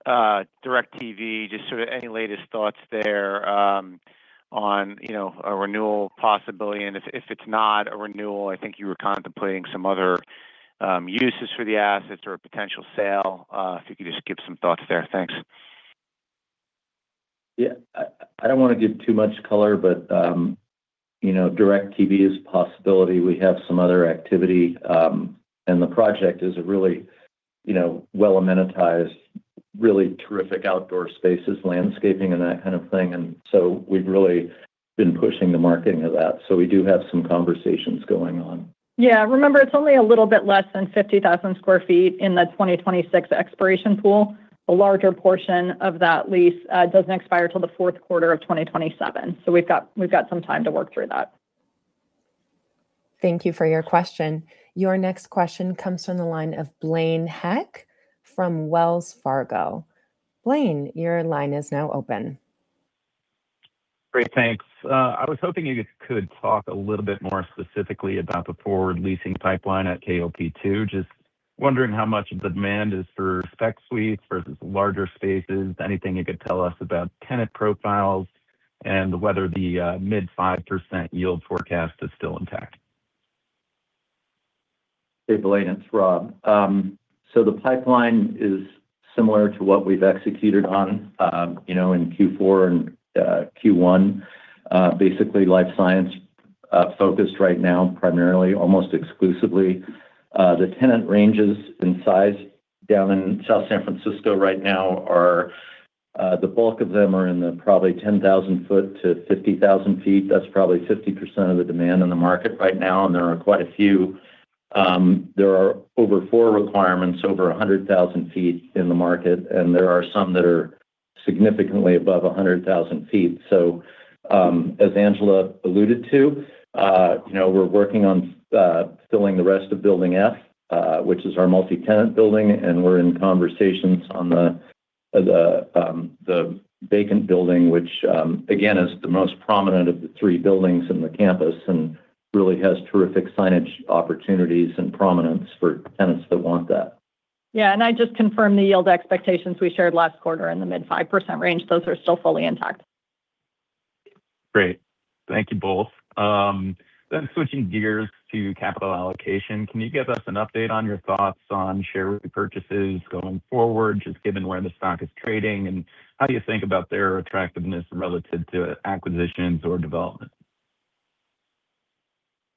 DirecTV. Just sort of any latest thoughts there on, you know, a renewal possibility. If it's not a renewal, I think you were contemplating some other uses for the assets or a potential sale. If you could just give some thoughts there. Thanks. Yeah. I don't wanna give too much color, but, you know, DirecTV is a possibility. We have some other activity. The project is a really, you know, well amenitized, really terrific outdoor spaces, landscaping, and that kind of thing. We've really been pushing the marketing of that. We do have some conversations going on. Yeah. Remember, it's only a little bit less than 50,000 sq ft in the 2026 expiration pool. A larger portion of that lease doesn't expire till the fourth quarter of 2027. We've got some time to work through that. Thank you for your question. Your next question comes from the line of Blaine Heck from Wells Fargo. Blaine, your line is now open. Great. Thanks. I was hoping you could talk a little bit more specifically about the forward leasing pipeline at KOPT. Just wondering how much of the demand is for spec suites versus larger spaces. Anything you could tell us about tenant profiles and whether the mid-5% yield forecast is still intact. Hey, Blaine. It's Rob. The pipeline is similar to what we've executed on, you know, in Q4 and Q1. Basically life science focused right now, primarily, almost exclusively. The tenant ranges in size down in South San Francisco right now are the bulk of them are in the probably 10,000 sq ft to 50,000 sq ft. That's probably 50% of the demand in the market right now, and there are quite a few. There are over four requirements over 100,000 sq ft in the market, and there are some that are significantly above 100,000 sq ft. As Angela alluded to, you know, we're working on filling the rest of building F, which is our multi-tenant building, and we're in conversations on the vacant building, which again, is the most prominent of the three buildings in the campus and really has terrific signage opportunities and prominence for tenants that want that. Yeah, I just confirmed the yield expectations we shared last quarter in the mid 5% range. Those are still fully intact. Great. Thank you both. Switching gears to capital allocation, can you give us an update on your thoughts on share repurchases going forward, just given where the stock is trading, and how do you think about their attractiveness relative to acquisitions or development?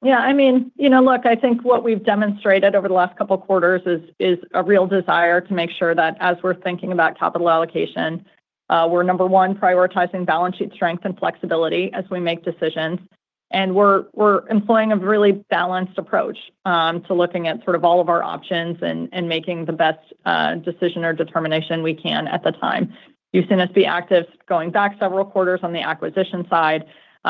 Yeah, I mean, you know, look, I think what we've demonstrated over the last couple of quarters is a real desire to make sure that as we're thinking about capital allocation, we're number one, prioritizing balance sheet strength and flexibility as we make decisions. We're employing a really balanced approach to looking at sort of all of our options and making the best decision or determination we can at the time. You've seen us be active going back several quarters on the acquisition side.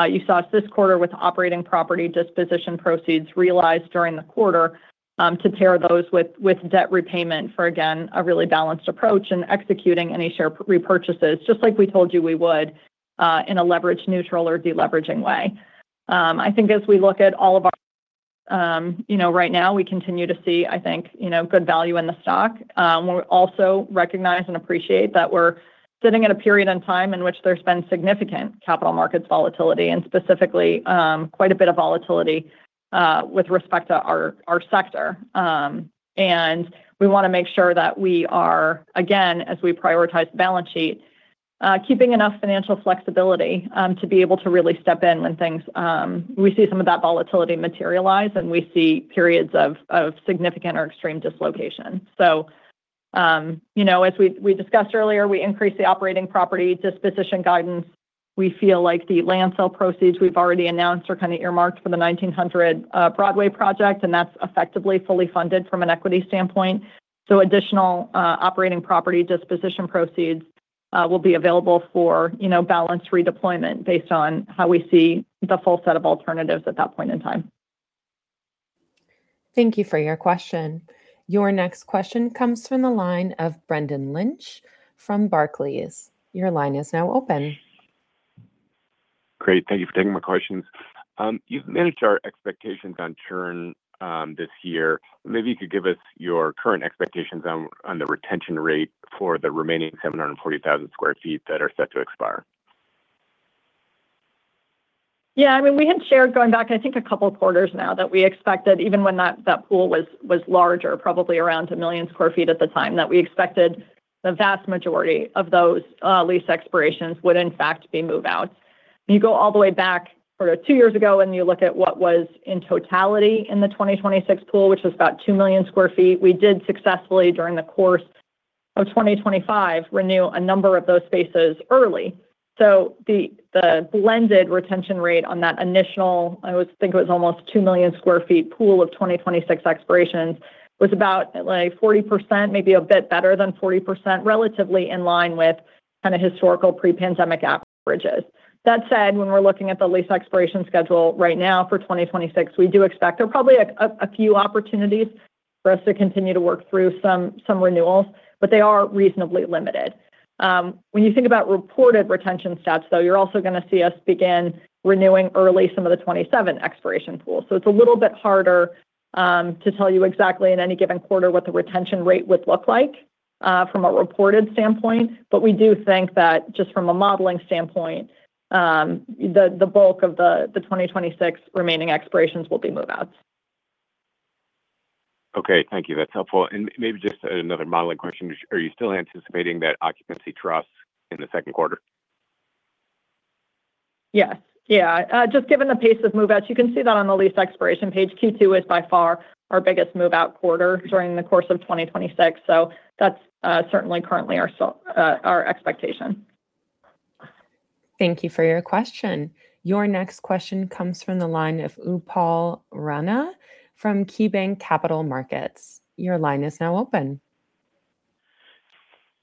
You saw us this quarter with operating property disposition proceeds realized during the quarter to pair those with debt repayment for, again, a really balanced approach and executing any share repurchases, just like we told you we would, in a leverage neutral or de-leveraging way. I think as we look at all of our, you know, right now, we continue to see, I think, you know, good value in the stock. We also recognize and appreciate that we're sitting at a period in time in which there's been significant capital markets volatility and specifically, quite a bit of volatility with respect to our sector. We want to make sure that we are, again, as we prioritize the balance sheet, keeping enough financial flexibility to be able to really step in when we see some of that volatility materialize, and we see periods of significant or extreme dislocation. You know, as we discussed earlier, we increased the operating property disposition guidance. We feel like the land sale proceeds we've already announced are kind of earmarked for the 1,900 Broadway project. That's effectively fully funded from an equity standpoint. Additional operating property disposition proceeds will be available for, you know, balance redeployment based on how we see the full set of alternatives at that point in time. Thank you for your question. Your next question comes from the line of Brendan Lynch from Barclays. Your line is now open. Great. Thank you for taking my questions. You've managed our expectations on churn this year. Maybe you could give us your current expectations on the retention rate for the remaining 740,000sq ft that are set to expire. I mean, we had shared going back, I think, a couple of quarters now that we expected even when that pool was larger, probably around 1 million sq ft at the time, that we expected the vast majority of those lease expirations would in fact be move-outs. You go all the way back sort of two years ago, you look at what was in totality in the 2026 pool, which was about 2 million sq ft. We did successfully during the course of 2025, renew a number of those spaces early. The blended retention rate on that initial, I would think it was almost 2 million sq ft pool of 2026 expirations, was about like 40%, maybe a bit better than 40%, relatively in line with kind of historical pre-pandemic averages. That said, when we're looking at the lease expiration schedule right now for 2026, we do expect there are probably a few opportunities for us to continue to work through some renewals, but they are reasonably limited. When you think about reported retention stats, though, you're also gonna see us begin renewing early some of the 2027 expiration pools. It's a little bit harder to tell you exactly in any given quarter what the retention rate would look like from a reported standpoint. We do think that just from a modeling standpoint, the bulk of the 2026 remaining expirations will be move-outs. Okay. Thank you. That's helpful. Maybe just another modeling question. Are you still anticipating that occupancy trough in the second quarter? Yes. Yeah. Just given the pace of move-outs, you can see that on the lease expiration page. Q2 is by far our biggest move-out quarter during the course of 2026. That's certainly currently our expectation. Thank you for your question. Your next question comes from the line of Upal Rana from KeyBanc Capital Markets. Your line is now open.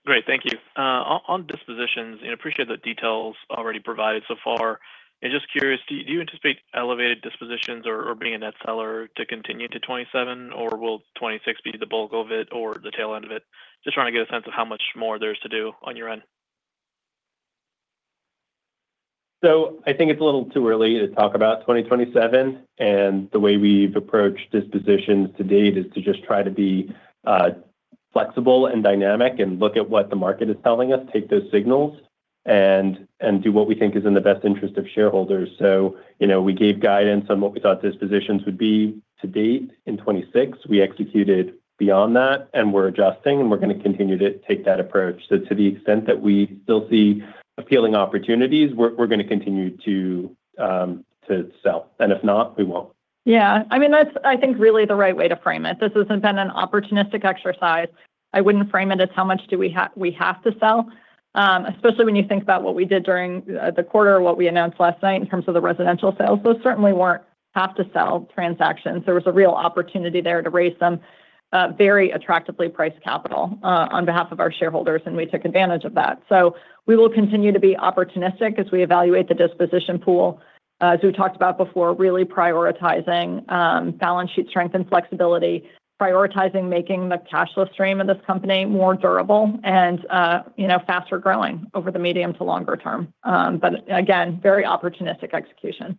Great. Thank you. On dispositions, appreciate the details already provided so far. Just curious, do you anticipate elevated dispositions or being a net seller to continue to 2027, or will 2026 be the bulk of it or the tail end of it? Just trying to get a sense of how much more there is to do on your end. I think it's a little too early to talk about 2027. The way we've approached dispositions to date is to just try to be flexible and dynamic and look at what the market is telling us, take those signals, and do what we think is in the best interest of shareholders. You know, we gave guidance on what we thought dispositions would be to date in 2026. We executed beyond that, and we're adjusting, and we're gonna continue to take that approach. To the extent that we still see appealing opportunities, we're gonna continue to sell. If not, we won't. Yeah. I mean, that's, I think, really the right way to frame it. This has been an opportunistic exercise. I wouldn't frame it as how much do we have to sell, especially when you think about what we did during the quarter or what we announced last night in terms of the residential sales. Those certainly weren't have to sell transactions. There was a real opportunity there to raise some very attractively priced capital on behalf of our shareholders, and we took advantage of that. We will continue to be opportunistic as we evaluate the disposition pool. As we talked about before, really prioritizing balance sheet strength and flexibility, prioritizing making the cash flow stream of this company more durable and, you know, faster growing over the medium to longer term. Again, very opportunistic execution.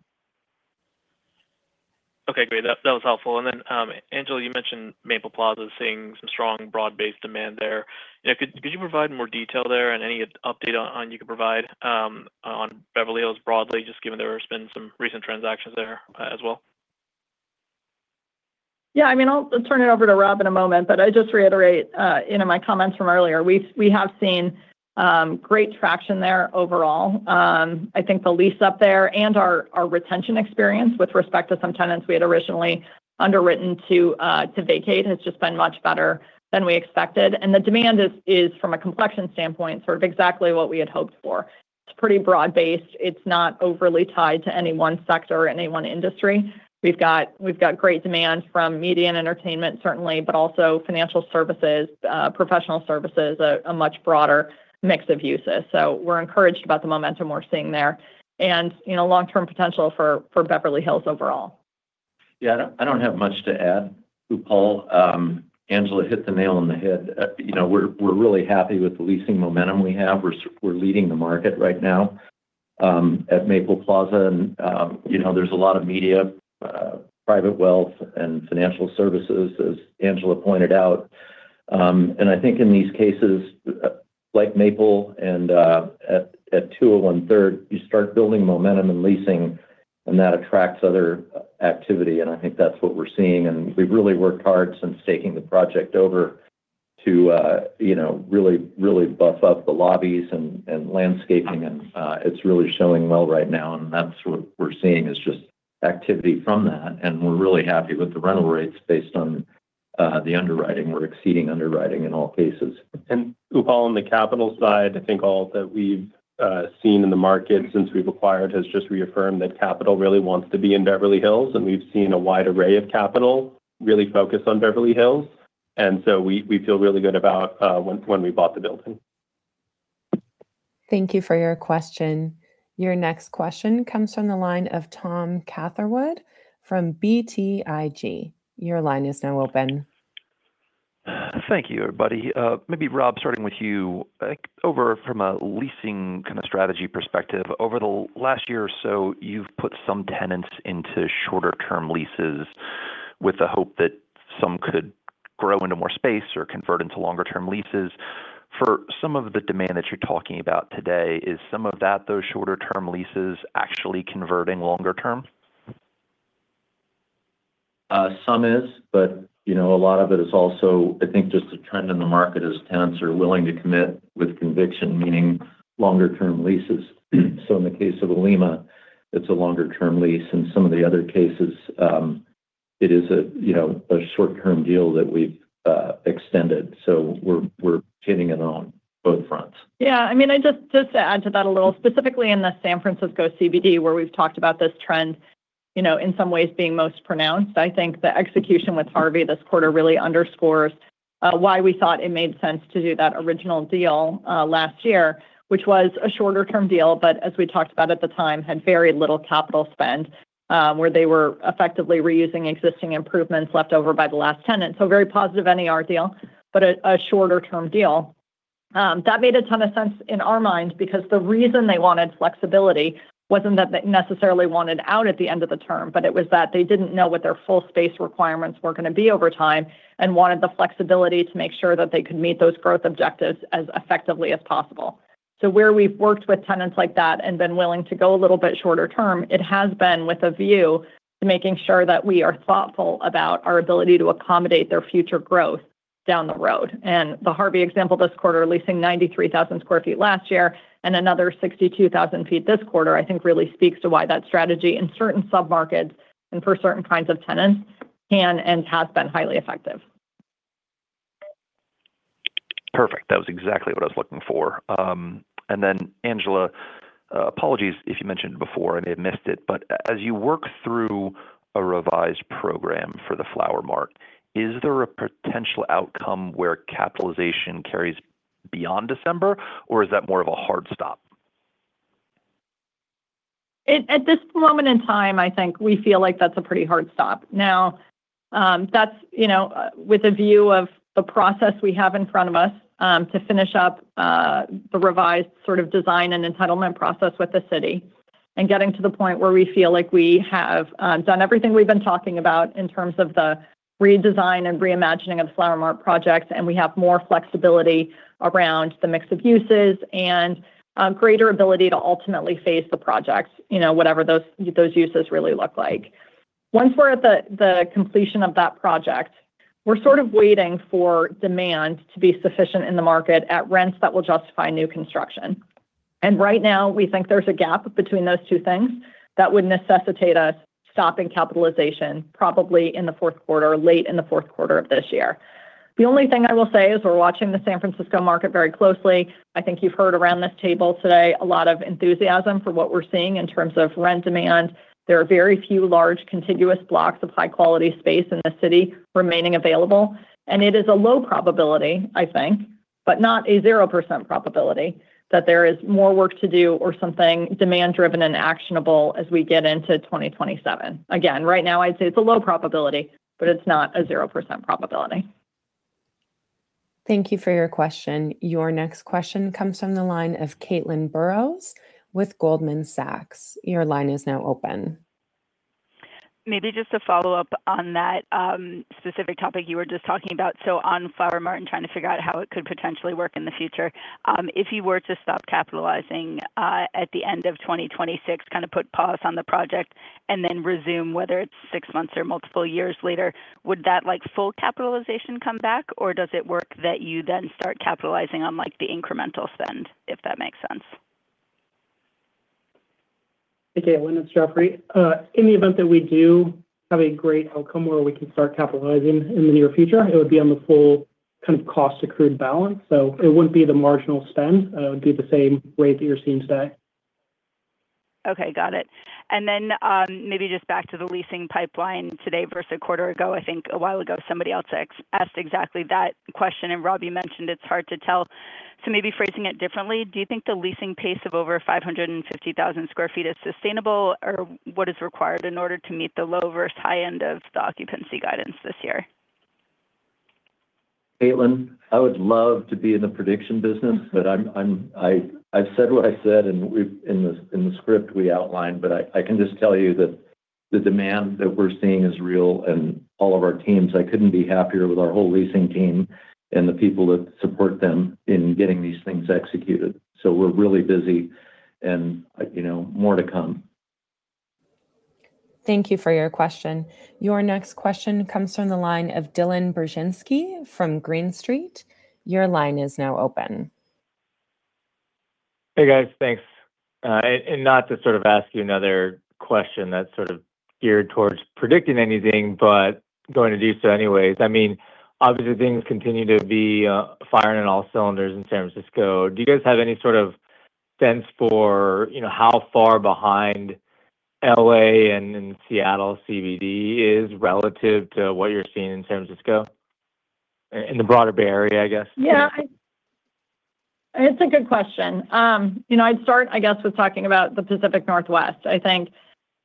Okay. Great. That was helpful. Angela, you mentioned Maple Plaza seeing some strong broad-based demand there. You know, could you provide more detail there and any update you could provide on Beverly Hills broadly, just given there has been some recent transactions there as well? Yeah. I mean, I'll turn it over to Rob in a moment, but I just reiterate, you know, my comments from earlier. We have seen great traction there overall. I think the lease up there and our retention experience with respect to some tenants we had originally underwritten to vacate has just been much better than we expected. And the demand is from a complexion standpoint, sort of exactly what we had hoped for. It's pretty broad based. It's not overly tied to any one sector or any one industry. We've got great demand from media and entertainment certainly, but also financial services, professional services, a much broader mix of uses. We're encouraged about the momentum we're seeing there and, you know, long term potential for Beverly Hills overall. Yeah. I don't have much to add to Upal. Angela hit the nail on the head. You know, we're really happy with the leasing momentum we have. We're leading the market right now at Maple Plaza. You know, there's a lot of media, private wealth and financial services, as Angela pointed out. I think in these cases, like Maple and at 201 Third, you start building momentum and leasing, and that attracts other activity, and I think that's what we're seeing. We've really worked hard since taking the project over to, you know, really buff up the lobbies and landscaping. It's really showing well right now, and that's what we're seeing is just activity from that. We're really happy with the rental rates based on the underwriting. We're exceeding underwriting in all cases. Upal, on the capital side, I think all that we've seen in the market since we've acquired has just reaffirmed that capital really wants to be in Beverly Hills, and we've seen a wide array of capital really focus on Beverly Hills. We feel really good about when we bought the building. Thank you for your question. Your next question comes from the line of Tom Catherwood from BTIG. Your line is now open. Thank you, everybody. Maybe Rob starting with you. From a leasing kind of strategy perspective, over the last year or so, you've put some tenants into shorter term leases with the hope that some could grow into more space or convert into longer term leases. For some of the demand that you're talking about today, is some of that, those shorter term leases actually converting longer term? Some is, but, you know, a lot of it is also, I think, just a trend in the market as tenants are willing to commit with conviction, meaning longer term leases. In the case of Olema, it's a longer term lease. In some of the other cases, it is a, you know, a short term deal that we've extended. We're, we're hitting it on both fronts. I mean, I just to add to that a little, specifically in the San Francisco CBD where we've talked about this trend, you know, in some ways being most pronounced. I think the execution with Harvey this quarter really underscores why we thought it made sense to do that original deal last year, which was a shorter term deal, as we talked about at the time, it had very little capital spend, where they were effectively reusing existing improvements left over by the last tenant. Very positive NAR deal, a shorter term deal. That made a ton of sense in our minds because the reason they wanted flexibility wasn't that they necessarily wanted out at the end of the term, but it was that they didn't know what their full space requirements were gonna be over time and wanted the flexibility to make sure that they could meet those growth objectives as effectively as possible. Where we've worked with tenants like that and been willing to go a little bit shorter term, it has been with a view to making sure that we are thoughtful about our ability to accommodate their future growth down the road. The Harvey example this quarter leasing 93,000 sq ft last year and another 62,000 ft this quarter, I think really speaks to why that strategy in certain submarkets and for certain kinds of tenants can and has been highly effective. Perfect. That was exactly what I was looking for. Then Angela, apologies if you mentioned before and I missed it. As you work through a revised program for the Flower Mart, is there a potential outcome where capitalization carries beyond December, or is that more of a hard stop? At this moment in time, I think we feel like that's a pretty hard stop. That's, you know, with a view of the process we have in front of us, to finish up the revised sort of design and entitlement process with the City and getting to the point where we feel like we have done everything we've been talking about in terms of the redesign and reimagining of Flower Mart Project, and we have more flexibility around the mix of uses and greater ability to ultimately phase the projects, you know, whatever those uses really look like. Once we're at the completion of that project, we're sort of waiting for demand to be sufficient in the market at rents that will justify new construction. Right now, we think there's a gap between those two things that would necessitate us stopping capitalization probably in the fourth quarter, late in the fourth quarter of this year. The only thing I will say is we're watching the San Francisco market very closely. I think you've heard around this table today a lot of enthusiasm for what we're seeing in terms of rent demand. There are very few large contiguous blocks of high quality space in the city remaining available. It is a low probability, I think, but not a 0% probability, that there is more work to do or something demand driven and actionable as we get into 2027. Again, right now I'd say it's a low probability, but it's not a 0% probability. Thank you for your question. Your next question comes from the line of Caitlin Burrows with Goldman Sachs. Your line is now open. Maybe just to follow up on that specific topic you were just talking about. On Flower Mart and trying to figure out how it could potentially work in the future. If you were to stop capitalizing at the end of 2026, kind of put pause on the project and then resume, whether it's six months or multiple years later, would that like full capitalization come back or does it work that you then start capitalizing on like the incremental spend, if that makes sense? Hey, Caitlin, it's Jeffrey. In the event that we do have a great outcome where we can start capitalizing in the near future, it would be on the full kind of cost accrued balance. It wouldn't be the marginal spend. It would be the same way that you're seeing today. Okay, got it. Maybe just back to the leasing pipeline today versus a quarter ago. I think a while ago, somebody else asked exactly that question, and Rob Paratte mentioned it's hard to tell. Maybe phrasing it differently, do you think the leasing pace of over 550,000 sq ft is sustainable or what is required in order to meet the low versus high end of the occupancy guidance this year? Caitlin, I would love to be in the prediction business, but I've said what I said and we've in the script we outlined, but I can just tell you that the demand that we're seeing is real and all of our teams, I couldn't be happier with our whole leasing team and the people that support them in getting these things executed. We're really busy and, you know, more to come. Thank you for your question. Your next question comes from the line of Dylan Burzinski from Green Street. Your line is now open. Hey, guys, thanks. Not to sort of ask you another question that's sort of geared towards predicting anything, but going to do so anyways. I mean, obviously things continue to be firing on all cylinders in San Francisco. Do you guys have any sort of sense for, you know, how far behind L.A. and Seattle CBD is relative to what you're seeing in San Francisco? In the broader Bay Area, I guess. Yeah. It's a good question. You know, I'd start, I guess, with talking about the Pacific Northwest. I think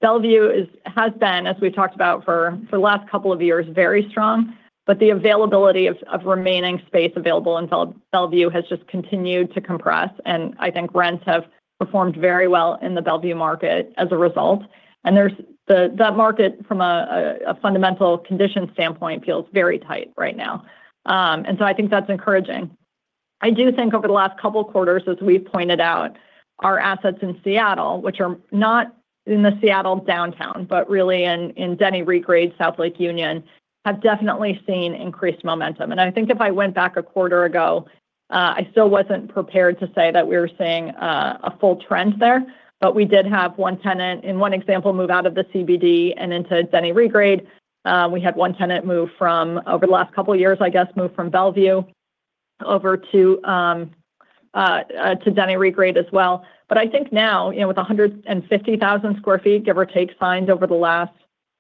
Bellevue has been, as we've talked about for the last couple of years, very strong, but the availability of remaining space available in Bellevue has just continued to compress, and I think rents have performed very well in the Bellevue market as a result. The, that market from a fundamental condition standpoint feels very tight right now. I think that's encouraging. I do think over the last couple of quarters, as we've pointed out, our assets in Seattle, which are not in the Seattle downtown, but really in Denny Regrade, South Lake Union, have definitely seen increased momentum. I think if I went back a quarter ago, I still wasn't prepared to say that we were seeing a full trend there. We did have one tenant, in one example, move out of the CBD and into Denny Regrade. We had one tenant move from over the last couple of years, I guess, move from Bellevue over to Denny Regrade as well. I think now, you know, with 150,000 sq ft, give or take, signed over the last,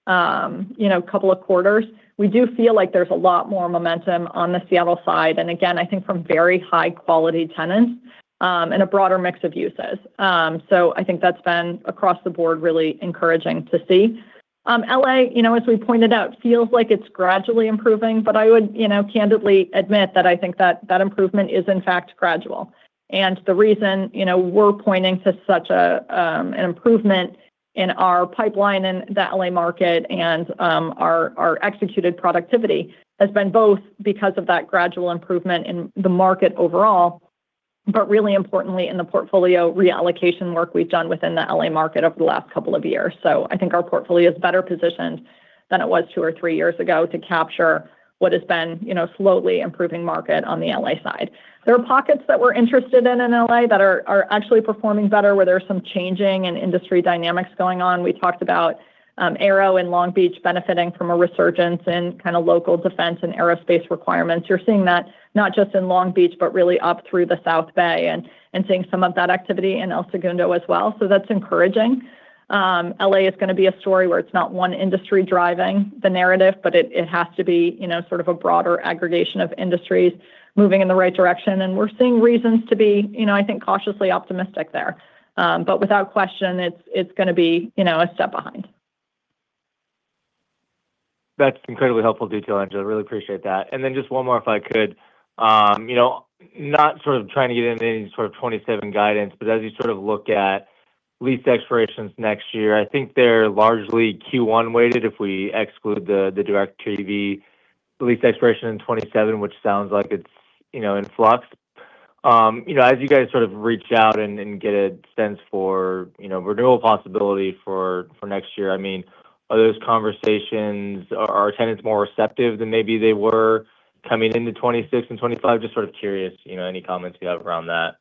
you know, couple of quarters, we do feel like there's a lot more momentum on the Seattle side. Again, I think from very high quality tenants and a broader mix of uses. I think that's been across the board really encouraging to see. L.A., you know, as we pointed out, feels like it's gradually improving, I would, you know, candidly admit that I think that that improvement is in fact gradual. The reason, you know, we're pointing to such a, an improvement in our pipeline in the L.A. market and, our executed productivity has been both because of that gradual improvement in the market overall, but really importantly, in the portfolio reallocation work we've done within the L.A. market over the last couple of years. I think our portfolio is better positioned than it was two or three years ago to capture what has been, you know, slowly improving market on the L.A. side. There are pockets that we're interested in L.A. that are actually performing better, where there are some changing and industry dynamics going on. We talked about Arrow and Long Beach benefiting from a resurgence in kind of local defense and aerospace requirements. You're seeing that not just in Long Beach, but really up through the South Bay and seeing some of that activity in El Segundo as well. That's encouraging. L.A. is gonna be a story where it's not one industry driving the narrative, but it has to be, you know, sort of a broader aggregation of industries moving in the right direction. We're seeing reasons to be, you know, I think cautiously optimistic there. Without question, it's gonna be, you know, a step behind. That's incredibly helpful detail, Angela. I really appreciate that. Then just one more, if I could. You know, not sort of trying to get into any sort of 2027 guidance, but as you sort of look at lease expirations next year, I think they're largely Q1 weighted if we exclude the DirecTV lease expiration in 2027, which sounds like it's, you know, in flux. You know, as you guys sort of reach out and get a sense for, you know, renewal possibility for next year, I mean, are tenants more receptive than maybe they were coming into 2026 and 2025? Just sort of curious, you know, any comments you have around that.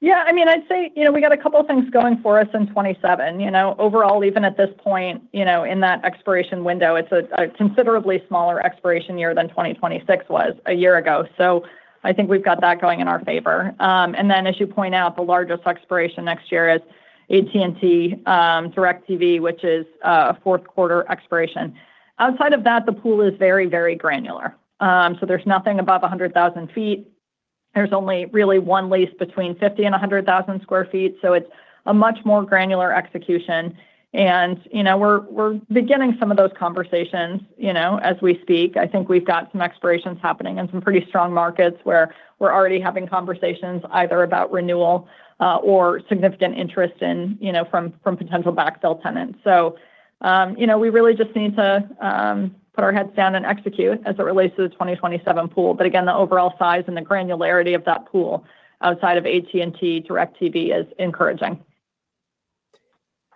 Yeah, I mean, you know, we got a couple of things going for us in 2027. You know, overall, even at this point, you know, in that expiration window, it's a considerably smaller expiration year than 2026 was a year ago. As you point out, the largest expiration next year is AT&T, DirecTV, which is a fourth quarter expiration. Outside of that, the pool is very, very granular. There's nothing above 100,000 ft. There's only really one lease between 50,000 sq ft and 100,000 sq ft. It's a much more granular execution. You know, we're beginning some of those conversations, you know, as we speak. I think we've got some expirations happening in some pretty strong markets where we're already having conversations either about renewal, or significant interest in potential backfill tenants. We really just need to put our heads down and execute as it relates to the 2027 pool. Again, the overall size and the granularity of that pool outside of AT&T, DirecTV is encouraging.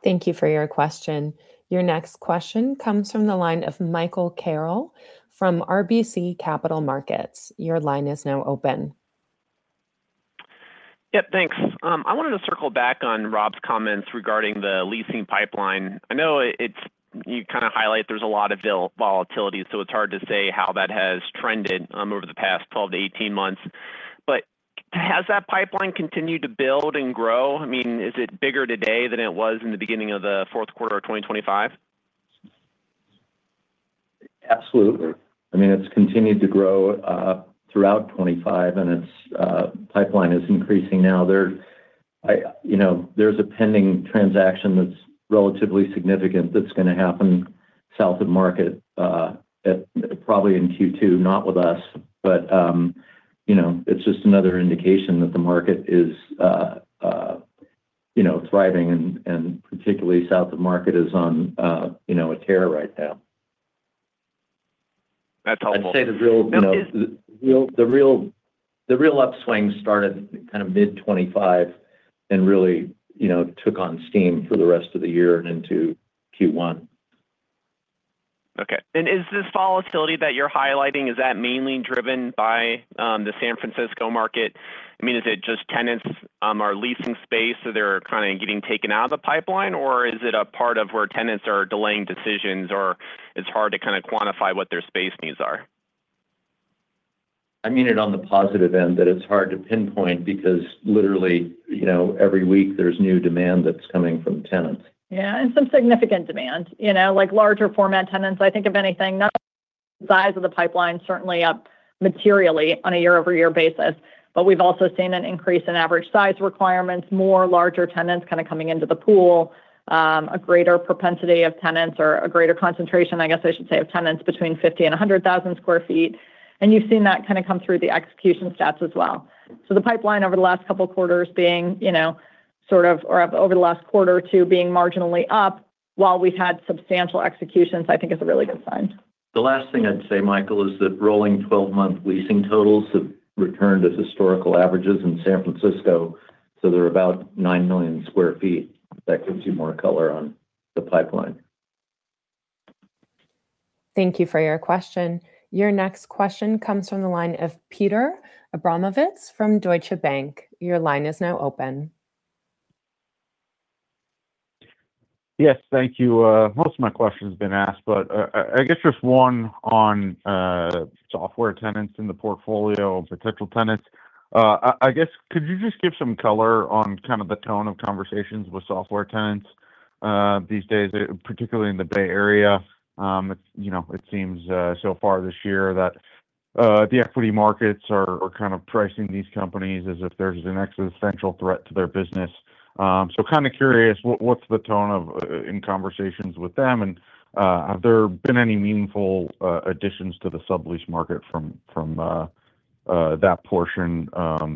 Thank you for your question. Your next question comes from the line of Michael Carroll from RBC Capital Markets. Your line is now open. Yep, thanks. I wanted to circle back on Rob's comments regarding the leasing pipeline. I know you kind of highlight there's a lot of volatility, so it's hard to say how that has trended over the past 12 to 18 months. Has that pipeline continued to build and grow? I mean, is it bigger today than it was in the beginning of the fourth quarter of 2025? Absolutely. I mean, it's continued to grow throughout 2025, and its pipeline is increasing now. You know, there's a pending transaction that's relatively significant that's gonna happen South of Market, at probably in Q2, not with us. You know, it's just another indication that the market is, you know, thriving and particularly South of Market is on, you know, a tear right now. That's helpful. I'd say the real, you know, the real upswing started kind of mid 2025 and really, you know, took on steam for the rest of the year and into Q1. Okay. Is this volatility that you're highlighting, is that mainly driven by the San Francisco market? I mean, is it just tenants are leasing space, so they're kind of getting taken out of the pipeline? Or is it a part of where tenants are delaying decisions or it's hard to kind of quantify what their space needs are? I mean it on the positive end that it's hard to pinpoint because literally, you know, every week there's new demand that's coming from tenants. Yeah, some significant demand. You know, like larger format tenants. I think if anything, not size of the pipeline certainly up materially on a year-over-year basis. We've also seen an increase in average size requirements, more larger tenants kind of coming into the pool. A greater propensity of tenants or a greater concentration, I guess I should say, of tenants between 50, 000 sq ft and 100,000 sq ft. You've seen that kind of come through the execution stats as well. The pipeline over the last two quarters being, you know, over the last quarter or two being marginally up while we've had substantial executions, I think is a really good sign. The last thing I'd say, Michael, is that rolling 12-month leasing totals have returned as historical averages in San Francisco, so they're about 9 million sq ft. That gives you more color on the pipeline. Thank you for your question. Your next question comes from the line of Peter Abramowitz from Deutsche Bank. Your line is now open. Yes. Thank you. I guess just one on software tenants in the portfolio, potential tenants. I guess could you just give some color on kind of the tone of conversations with software tenants these days, particularly in the Bay Area? It's, you know, it seems so far this year that the equity markets are kind of pricing these companies as if there's an existential threat to their business. Kind of curious, what's the tone of in conversations with them? Have there been any meaningful additions to the sublease market from that portion of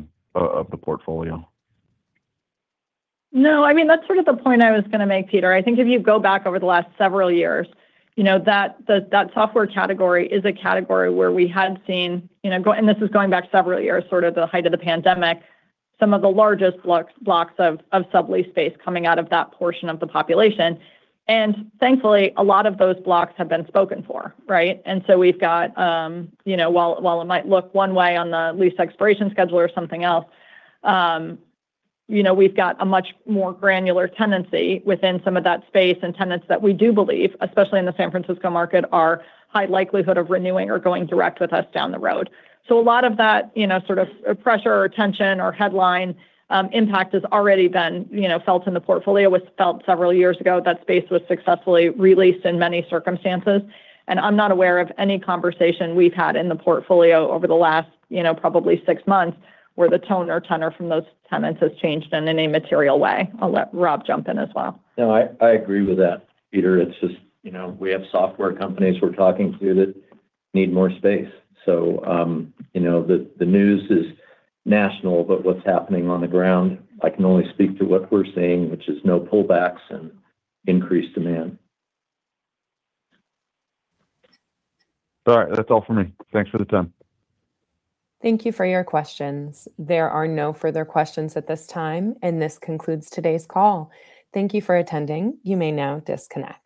the portfolio? No, I mean, that's sort of the point I was going to make, Peter. I think if you go back over the last several years, you know, that software category is a category where we had seen, you know, this is going back several years, sort of the height of the pandemic. Some of the largest blocks of sublease space coming out of that portion of the population. Thankfully, a lot of those blocks have been spoken for, right? We've got, you know, while it might look one way on the lease expiration schedule or something else, you know, we've got a much more granular tenancy within some of that space and tenants that we do believe, especially in the San Francisco market, are high likelihood of renewing or going direct with us down the road. A lot of that, you know, sort of pressure or tension or headline impact has already been, you know, felt in the portfolio. It was felt several years ago. That space was successfully re-leased in many circumstances. I'm not aware of any conversation we've had in the portfolio over the last, you know, probably six months where the tone or tenor from those tenants has changed in any material way. I'll let Rob jump in as well. No, I agree with that, Peter. It's just, you know, we have software companies we're talking to that need more space. The news is national, but what's happening on the ground, I can only speak to what we're seeing, which is no pullbacks and increased demand. All right. That's all for me. Thanks for the time. Thank you for your questions. There are no further questions at this time. This concludes today's call. Thank you for attending. You may now disconnect.